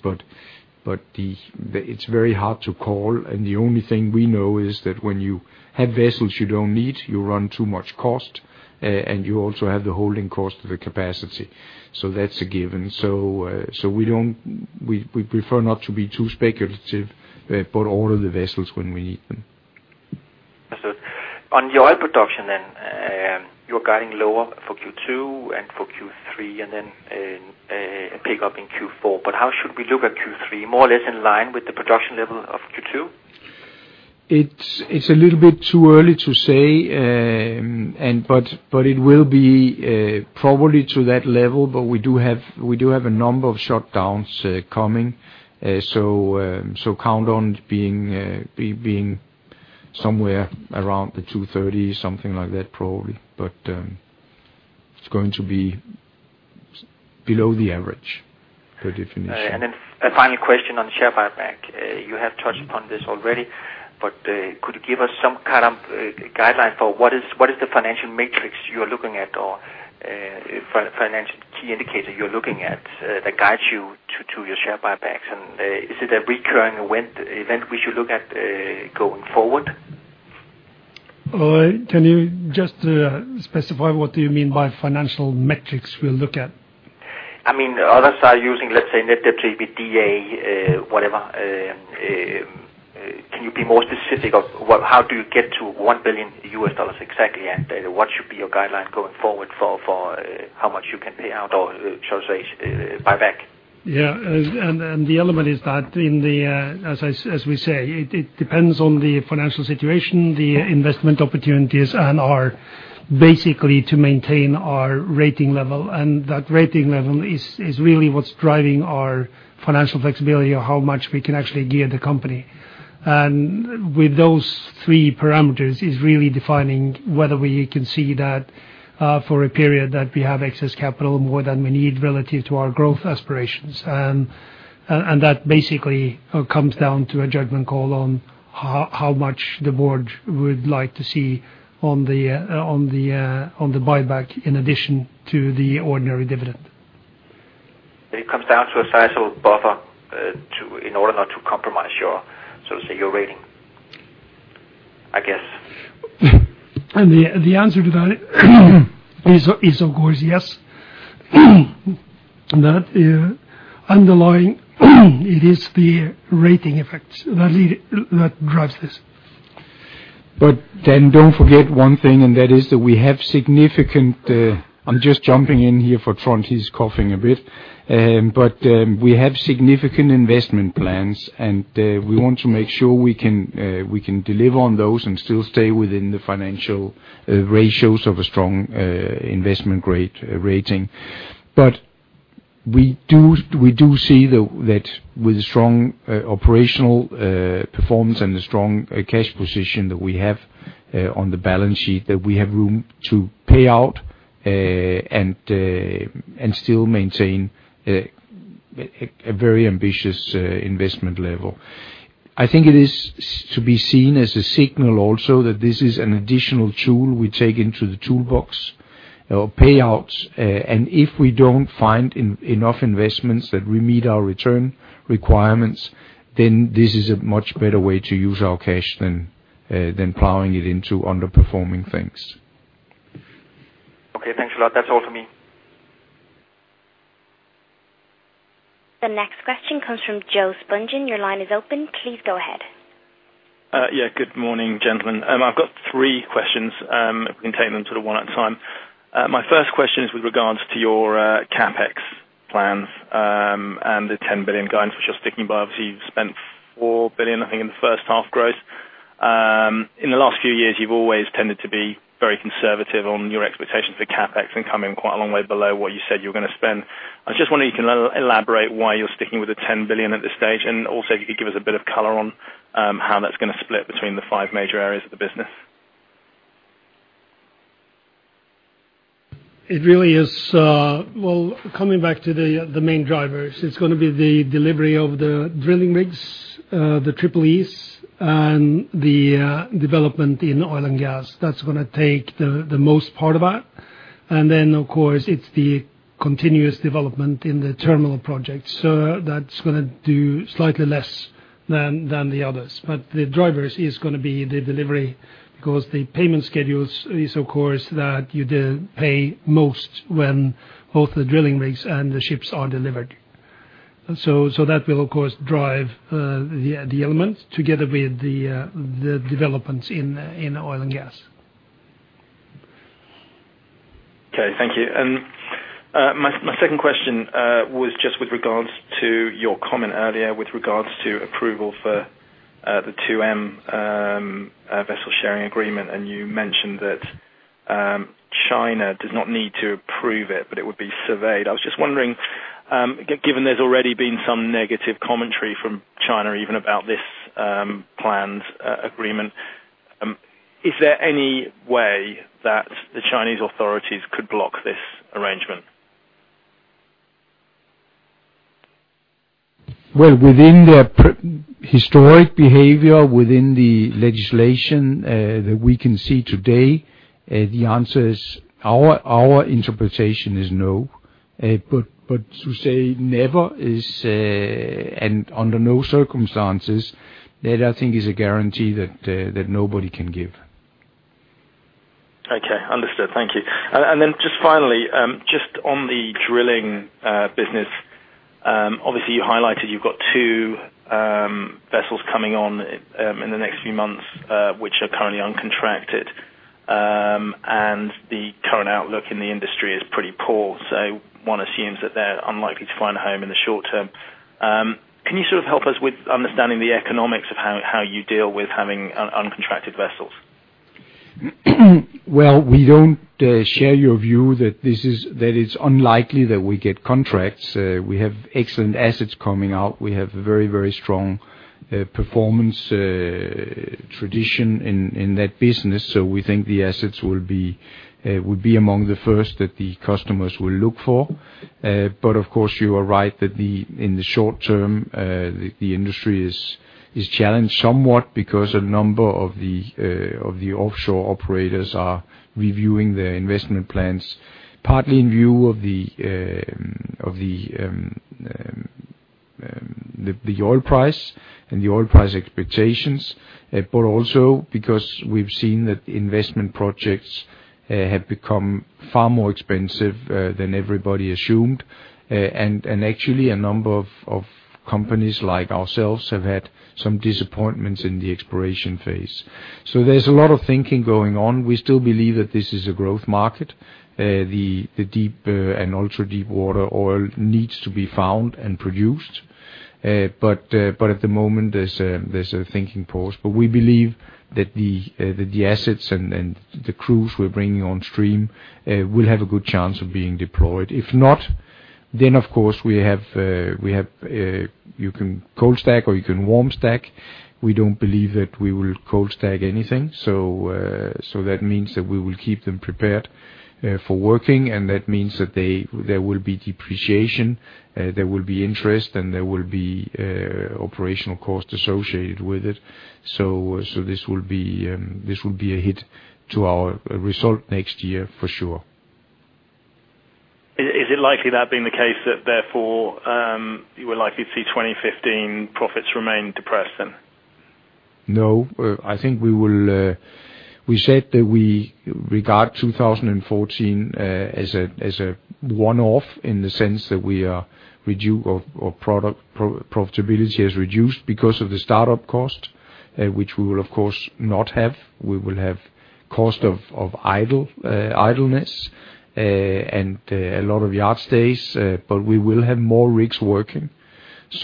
Speaker 1: It's very hard to call, and the only thing we know is that when you have vessels you don't need, you run too much cost and you also have the holding cost of the capacity. That's a given. We prefer not to be too speculative, but order the vessels when we need them.
Speaker 8: Understood. On the oil production then, you're guiding lower for Q2 and for Q3 and then, a pickup in Q4. How should we look at Q3? More or less in line with the production level of Q2?
Speaker 1: It's a little bit too early to say, but it will be probably to that level. We do have a number of shutdowns coming. Count on it being somewhere around 230, something like that, probably. It's going to be below the average, by definition.
Speaker 8: A final question on share buyback. You have touched upon this already, but could you give us some kind of guideline for what is the financial metric you are looking at or financial key indicator you're looking at that guides you to your share buybacks? Is it a recurring event we should look at going forward?
Speaker 2: Oi, can you just specify what do you mean by financial metrics we'll look at?
Speaker 8: I mean, others are using, let's say, net debt to EBITDA, whatever. Can you be more specific of what, how do you get to $1 billion exactly? What should be your guideline going forward for how much you can pay out or shall we say, buyback?
Speaker 2: The element is that it depends on the financial situation, the investment opportunities and, basically, to maintain our rating level. That rating level is really what's driving our financial flexibility or how much we can actually gear the company. With those three parameters is really defining whether we can see that for a period that we have excess capital more than we need relative to our growth aspirations. That basically comes down to a judgment call on how much the board would like to see on the buyback in addition to the ordinary dividend.
Speaker 8: It comes down to a sizable buffer, to in order not to compromise your, so to say, your rating. I guess.
Speaker 2: The answer to that is, of course, yes. The underlying, it is the rating effect that really drives this.
Speaker 1: Don't forget one thing, and that is that we have significant. I'm just jumping in here for Trond. He's coughing a bit. We have significant investment plans, and we want to make sure we can deliver on those and still stay within the financial ratios of a strong investment grade rating. We do see that with strong operational performance and the strong cash position that we have on the balance sheet, that we have room to pay out and still maintain a very ambitious investment level. I think it is to be seen as a signal also that this is an additional tool we take into the toolbox. Payouts. If we don't find enough investments that meet our return requirements, then this is a much better way to use our cash than plowing it into underperforming things.
Speaker 8: Okay. Thanks a lot. That's all for me.
Speaker 3: The next question comes from Johan Eliason. Your line is open. Please go ahead.
Speaker 9: Yeah, good morning, gentlemen. I've got three questions, if we can take them sort of one at a time. My first question is with regards to your CapEx plans, and the $10 billion guidance. Just sticking by, obviously, you've spent $4 billion, I think, in the first half growth. In the last few years, you've always tended to be very conservative on your expectations for CapEx and come in quite a long way below what you said you were gonna spend. I just wonder if you can elaborate why you're sticking with the $10 billion at this stage, and also if you could give us a bit of color on how that's gonna split between the five major areas of the business.
Speaker 2: It really is, coming back to the main drivers, it's gonna be the delivery of the drilling rigs, the Triple-Es and the development in oil and gas. That's gonna take the most part of that. Of course, it's the continuous development in the terminal project. That's gonna do slightly less than the others. The drivers is gonna be the delivery. Because the payment schedules is of course that you pay most when both the drilling rigs and the ships are delivered. That will of course drive the element together with the developments in oil and gas.
Speaker 9: Okay. Thank you. My second question was just with regards to your comment earlier with regards to approval for the 2M vessel sharing agreement. You mentioned that China does not need to approve it, but it would be scrutinized. I was just wondering, given there's already been some negative commentary from China even about this planned agreement, is there any way that the Chinese authorities could block this arrangement?
Speaker 1: Well, within their prehistoric behavior, within the legislation that we can see today, the answer is our interpretation is no. To say never and under no circumstances, that I think is a guarantee that nobody can give.
Speaker 9: Okay. Understood. Thank you. Just finally, just on the drilling business, obviously you highlighted you've got 2 vessels coming on in the next few months, which are currently uncontracted. The current outlook in the industry is pretty poor. One assumes that they're unlikely to find a home in the short term. Can you sort of help us with understanding the economics of how you deal with having uncontracted vessels?
Speaker 1: Well, we don't share your view that it's unlikely that we get contracts. We have excellent assets coming out. We have very, very strong performance tradition in that business. We think the assets will be among the first that the customers will look for. Of course, you are right that in the short term, the industry is challenged somewhat because a number of the offshore operators are reviewing their investment plans, partly in view of the oil price and the oil price expectations, but also because we've seen that investment projects have become far more expensive than everybody assumed. Actually a number of companies like ourselves have had some disappointments in the exploration phase. There's a lot of thinking going on. We still believe that this is a growth market. The deep and ultra-deep water oil needs to be found and produced. At the moment, there's a thinking pause. We believe that the assets and the crews we're bringing on stream will have a good chance of being deployed. Of course, you can cold stack or you can warm stack. We don't believe that we will cold stack anything. That means that we will keep them prepared for working, and that means that there will be depreciation, there will be interest and there will be operational costs associated with it. This will be a hit to our result next year for sure.
Speaker 9: Is it likely that being the case that therefore, you will likely to see 2015 profits remain depressed then?
Speaker 1: No, I think we will. We said that we regard 2014 as a one-off in the sense that our profitability has reduced because of the startup cost, which we will of course not have. We will have cost of idleness and a lot of yard stays, but we will have more rigs working.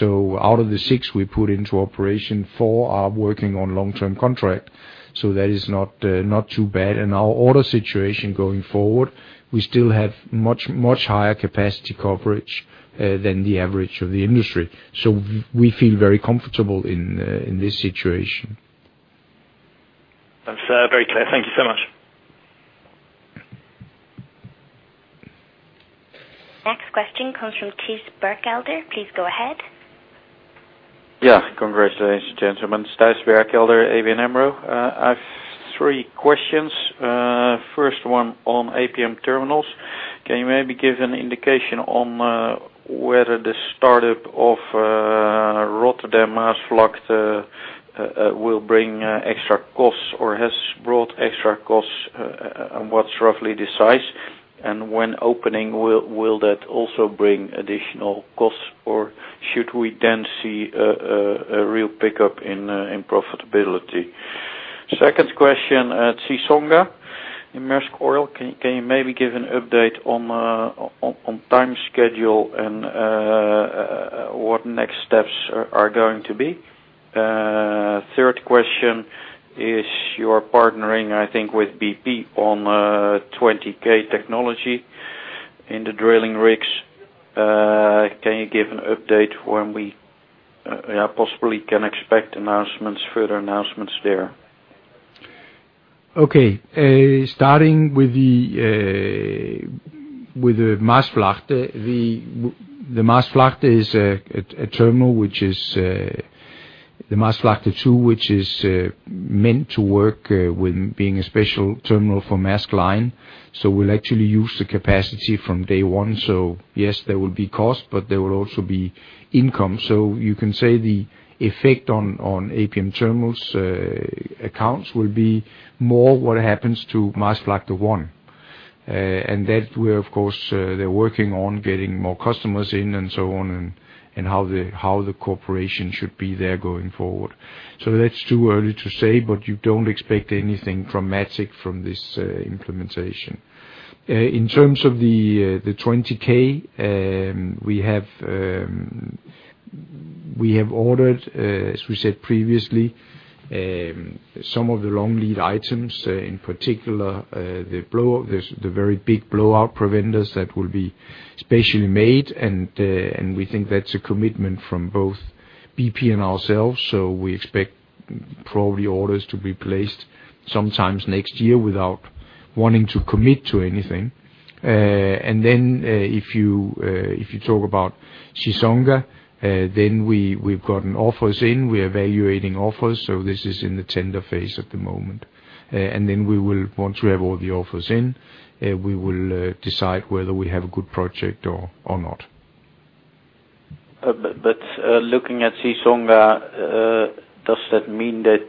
Speaker 1: Out of the 6 we put into operation, 4 are working on long-term contract. That is not too bad. Our order situation going forward, we still have much higher capacity coverage than the average of the industry. We feel very comfortable in this situation.
Speaker 9: That's very clear. Thank you so much.
Speaker 3: Next question comes from Kees Berkelder. Please go ahead.
Speaker 10: Yeah. Congratulations, gentlemen. Kees Berkelder, ABN AMRO. I've three questions. First one on APM Terminals. Can you maybe give an indication on whether the startup of Rotterdam Maasvlakte will bring extra costs or has brought extra costs and what's roughly the size? When opening, will that also bring additional costs, or should we then see a real pickup in profitability? Second question, at Chissonga in Maersk Oil, can you maybe give an update on time schedule and what next steps are going to be? Third question, you're partnering, I think, with BP on 20K technology in the drilling rigs. Can you give an update when we possibly can expect announcements, further announcements there?
Speaker 1: Okay. Starting with the Maasvlakte. The Maasvlakte is a terminal which is the Maasvlakte II, which is meant to work with being a special terminal for Maersk Line. We'll actually use the capacity from day one. Yes, there will be costs, but there will also be income. You can say the effect on APM Terminals' accounts will be more what happens to Maasvlakte one. That we're of course they're working on getting more customers in and so on and how the cooperation should be there going forward. That's too early to say, but you don't expect anything dramatic from this implementation. In terms of the 20K, we have ordered, as we said previously, some of the long lead items, in particular, the very big blowout preventers that will be specially made, and we think that's a commitment from both BP and ourselves, so we expect probably orders to be placed sometime next year without wanting to commit to anything. If you talk about Chissonga, then we have gotten offers in, we're evaluating offers, so this is in the tender phase at the moment. We will, once we have all the offers in, decide whether we have a good project or not.
Speaker 10: Looking at Chissonga, does that mean that,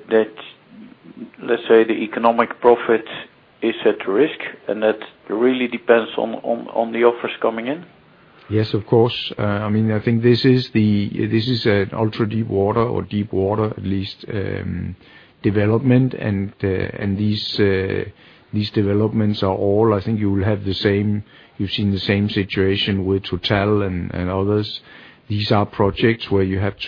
Speaker 10: let's say, the economic profit is at risk and that really depends on the offers coming in?
Speaker 1: Yes, of course. I mean, I think this is an ultra-deep water or deep water at least, development. These developments are all, I think you will have the same, you've seen the same situation with Total and others. These are projects where you have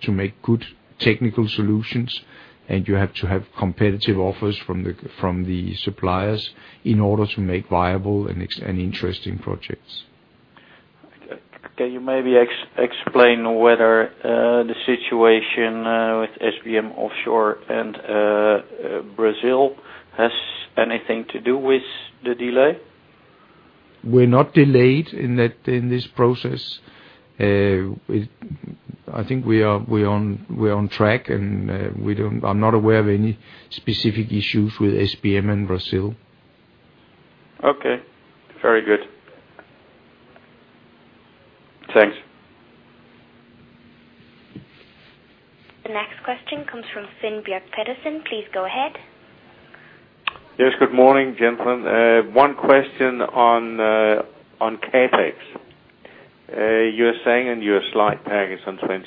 Speaker 1: to make good technical solutions, and you have to have competitive offers from the suppliers in order to make viable and interesting projects.
Speaker 10: Okay. Can you maybe explain whether the situation with SBM Offshore and Brazil has anything to do with the delay?
Speaker 1: We're not delayed in that, in this process. I think we're on track, and I'm not aware of any specific issues with SBM and Brazil.
Speaker 10: Okay. Very good. Thanks.
Speaker 3: The next question comes from Sven Bjerre-Pedersen. Please go ahead.
Speaker 11: Yes, good morning, gentlemen. One question on CapEx. You're saying in your slide package on page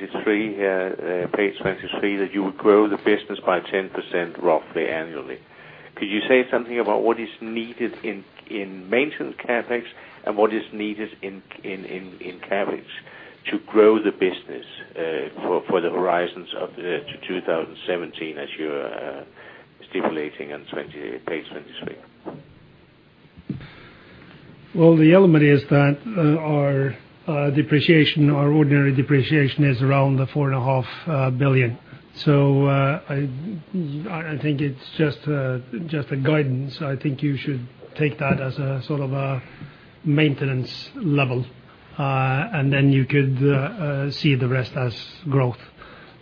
Speaker 11: 23 that you would grow the business by 10% roughly annually. Could you say something about what is needed in maintenance CapEx and what is needed in CapEx? To grow the business for the horizons to 2017 as you're stipulating on page 26.
Speaker 2: Well, the element is that our depreciation, our ordinary depreciation is around $4.5 billion. I think it's just a guidance. I think you should take that as a sort of a maintenance level. You could see the rest as growth.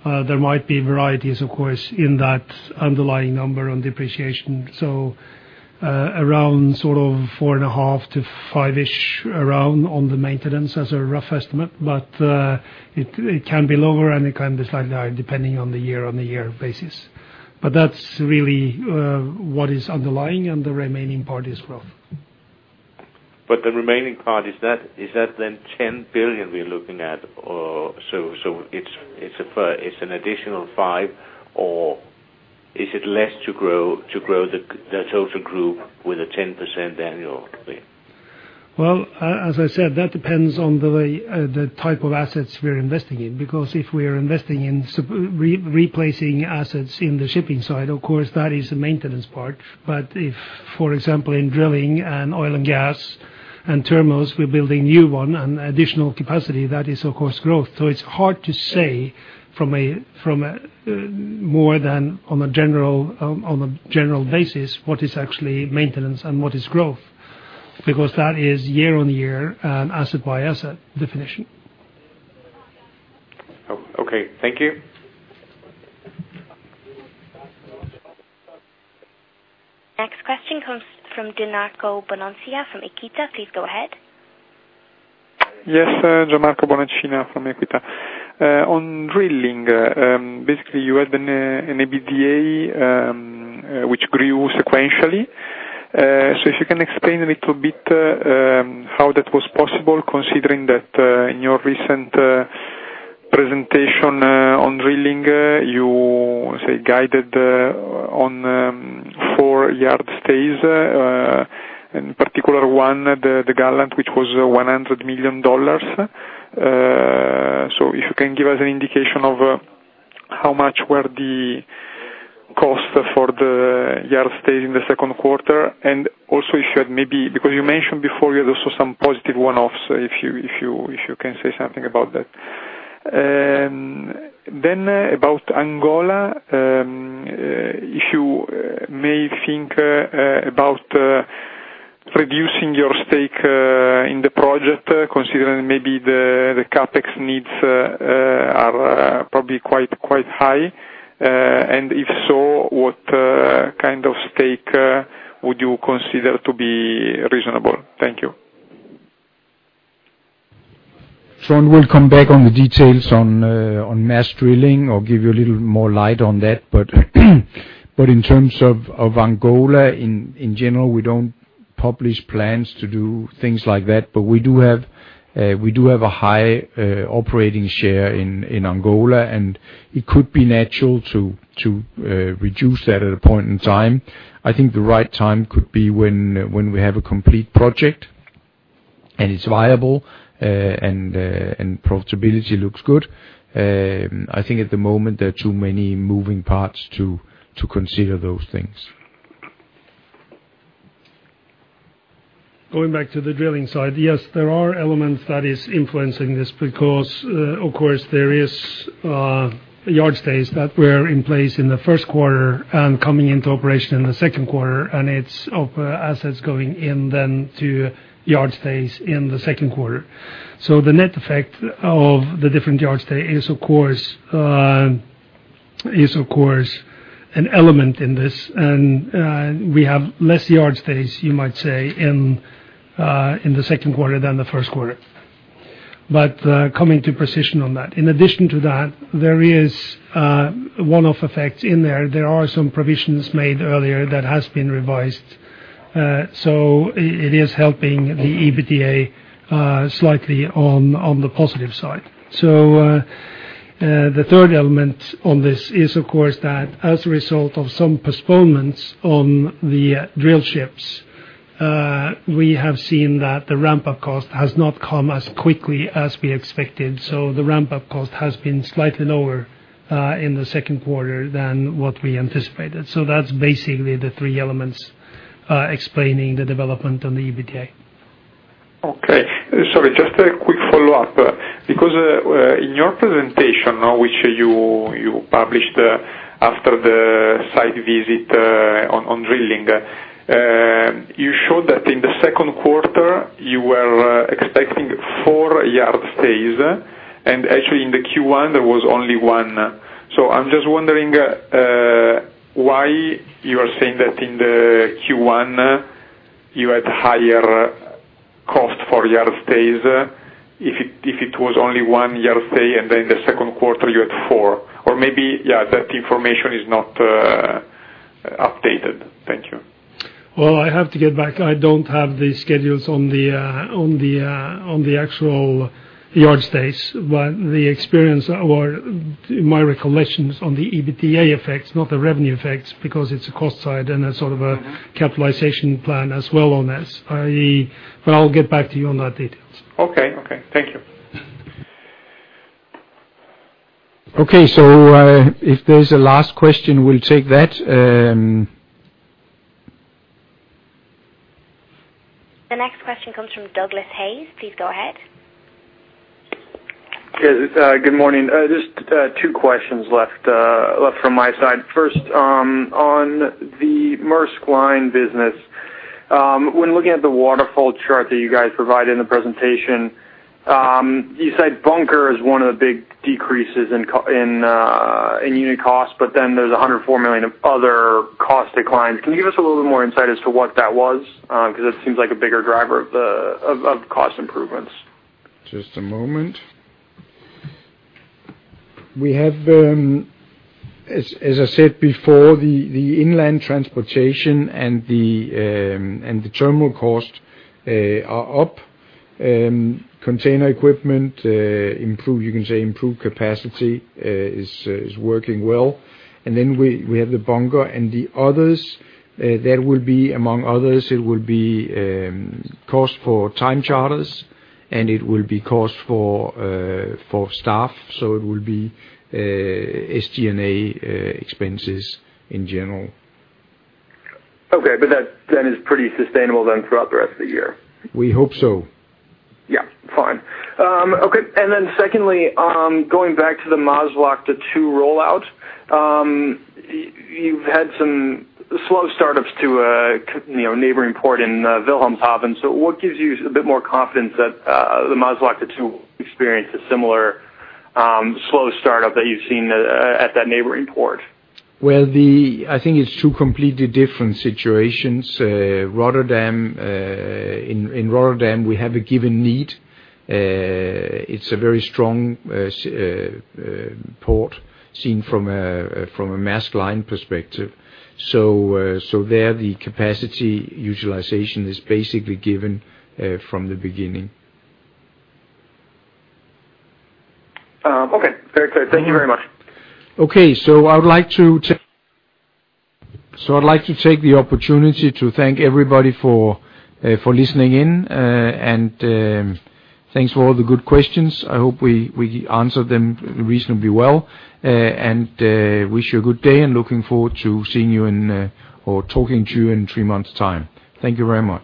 Speaker 2: There might be variations, of course, in that underlying number on depreciation. Around sort of $4.5 billion-$5 billion-ish on the maintenance as a rough estimate. It can be lower and it can be slightly higher depending on the year-on-year basis. That's really what is underlying and the remaining part is growth.
Speaker 11: The remaining part, is that then $10 billion we're looking at? Or so, it's an additional $5 billion, or is it less to grow the total group with a 10% annually?
Speaker 2: Well, as I said, that depends on the type of assets we're investing in. Because if we are investing in replacing assets in the shipping side, of course that is the maintenance part. If, for example, in drilling and oil and gas and Terminals, we're building new one and additional capacity, that is of course growth. It's hard to say more than on a general basis what is actually maintenance and what is growth, because that is year-on-year, asset-by-asset definition.
Speaker 11: Okay. Thank you.
Speaker 3: Next question comes from Gianmarco Bonacina from Equita. Please go ahead.
Speaker 12: Yes, Gianmarco Bonacina from Equita. On drilling, basically you had an EBITDA, which grew sequentially. If you can explain a little bit, how that was possible, considering that, in your recent presentation, on drilling, you say guided on four yard stays, in particular one, the Gallant, which was $100 million. If you can give us an indication of how much were the costs for the yard stay in the second quarter, and also if you had maybe, because you mentioned before you had also some positive one-offs, if you can say something about that. About Angola, if you may think about reducing your stake in the project, considering maybe the CapEx needs are probably quite high. If so, what kind of stake would you consider to be reasonable? Thank you.
Speaker 1: Trond Westlie will come back on the details on Maersk Drilling or give you a little more light on that. In terms of Angola in general, we don't publish plans to do things like that. We do have a high operating share in Angola, and it could be natural to reduce that at a point in time. I think the right time could be when we have a complete project and it's viable, and profitability looks good. I think at the moment there are too many moving parts to consider those things.
Speaker 2: Going back to the drilling side, yes, there are elements that is influencing this because, of course, there is yard stays that were in place in the first quarter and coming into operation in the second quarter. It's of assets going in then to yard stays in the second quarter. The net effect of the different yard stay is of course an element in this. We have less yard stays, you might say, in the second quarter than the first quarter. Coming to precision on that. In addition to that, there is one-off effects in there. There are some provisions made earlier that has been revised. It is helping the EBITDA slightly on the positive side. The third element on this is of course, that as a result of some postponements on the drill ships, we have seen that the ramp-up cost has not come as quickly as we expected. The ramp-up cost has been slightly lower in the second quarter than what we anticipated. That's basically the three elements explaining the development on the EBITDA.
Speaker 12: Okay. Sorry, just a quick follow-up. Because in your presentation, which you published after the site visit, on drilling, you showed that in the second quarter, you were expecting 4 yard stays. Actually in the Q1, there was only 1. I'm just wondering why you are saying that in the Q1 you had higher cost for yard stays if it was only one yard stay, and then in the second quarter you had 4? Or maybe, yeah, that information is not updated. Thank you.
Speaker 2: Well, I have to get back. I don't have the schedules on the actual yard stays. The experience or my recollections on the EBITDA effects, not the revenue effects, because it's a cost side and a sort of a capitalization plan as well on this. I'll get back to you on that details.
Speaker 12: Okay. Okay, thank you.
Speaker 1: Okay. If there's a last question, we'll take that.
Speaker 3: The next question comes from Douglas Hayes. Please go ahead.
Speaker 13: Yes. Good morning. Just two questions left from my side. First, on the Maersk Line business, when looking at the waterfall chart that you guys provided in the presentation, you said bunker is one of the big decreases in unit costs, but then there's $104 million of other cost declines. Can you give us a little bit more insight as to what that was? 'Cause it seems like a bigger driver of the cost improvements.
Speaker 1: Just a moment. We have, as I said before, the inland transportation and the terminal costs are up. Container equipment improved capacity is working well. Then we have the bunker and the others that will be among others. It will be cost for time charters, and it will be cost for staff. It will be SG&A expenses in general.
Speaker 13: Okay. That then is pretty sustainable then throughout the rest of the year?
Speaker 1: We hope so.
Speaker 13: Secondly, going back to the Maasvlakte 2 rollout, you've had some slow startups too, you know, neighboring port in Wilhelmshaven. What gives you a bit more confidence that the Maasvlakte 2 experience a similar slow startup that you've seen at that neighboring port?
Speaker 1: I think it's two completely different situations. Rotterdam, in Rotterdam, we have a given need. It's a very strong port scene from a Maersk Line perspective. There, the capacity utilization is basically given from the beginning.
Speaker 13: Okay. Very clear. Thank you very much.
Speaker 1: I'd like to take the opportunity to thank everybody for listening in. Thanks for all the good questions. I hope we answered them reasonably well, and wish you a good day and looking forward to seeing you in or talking to you in three months time. Thank you very much.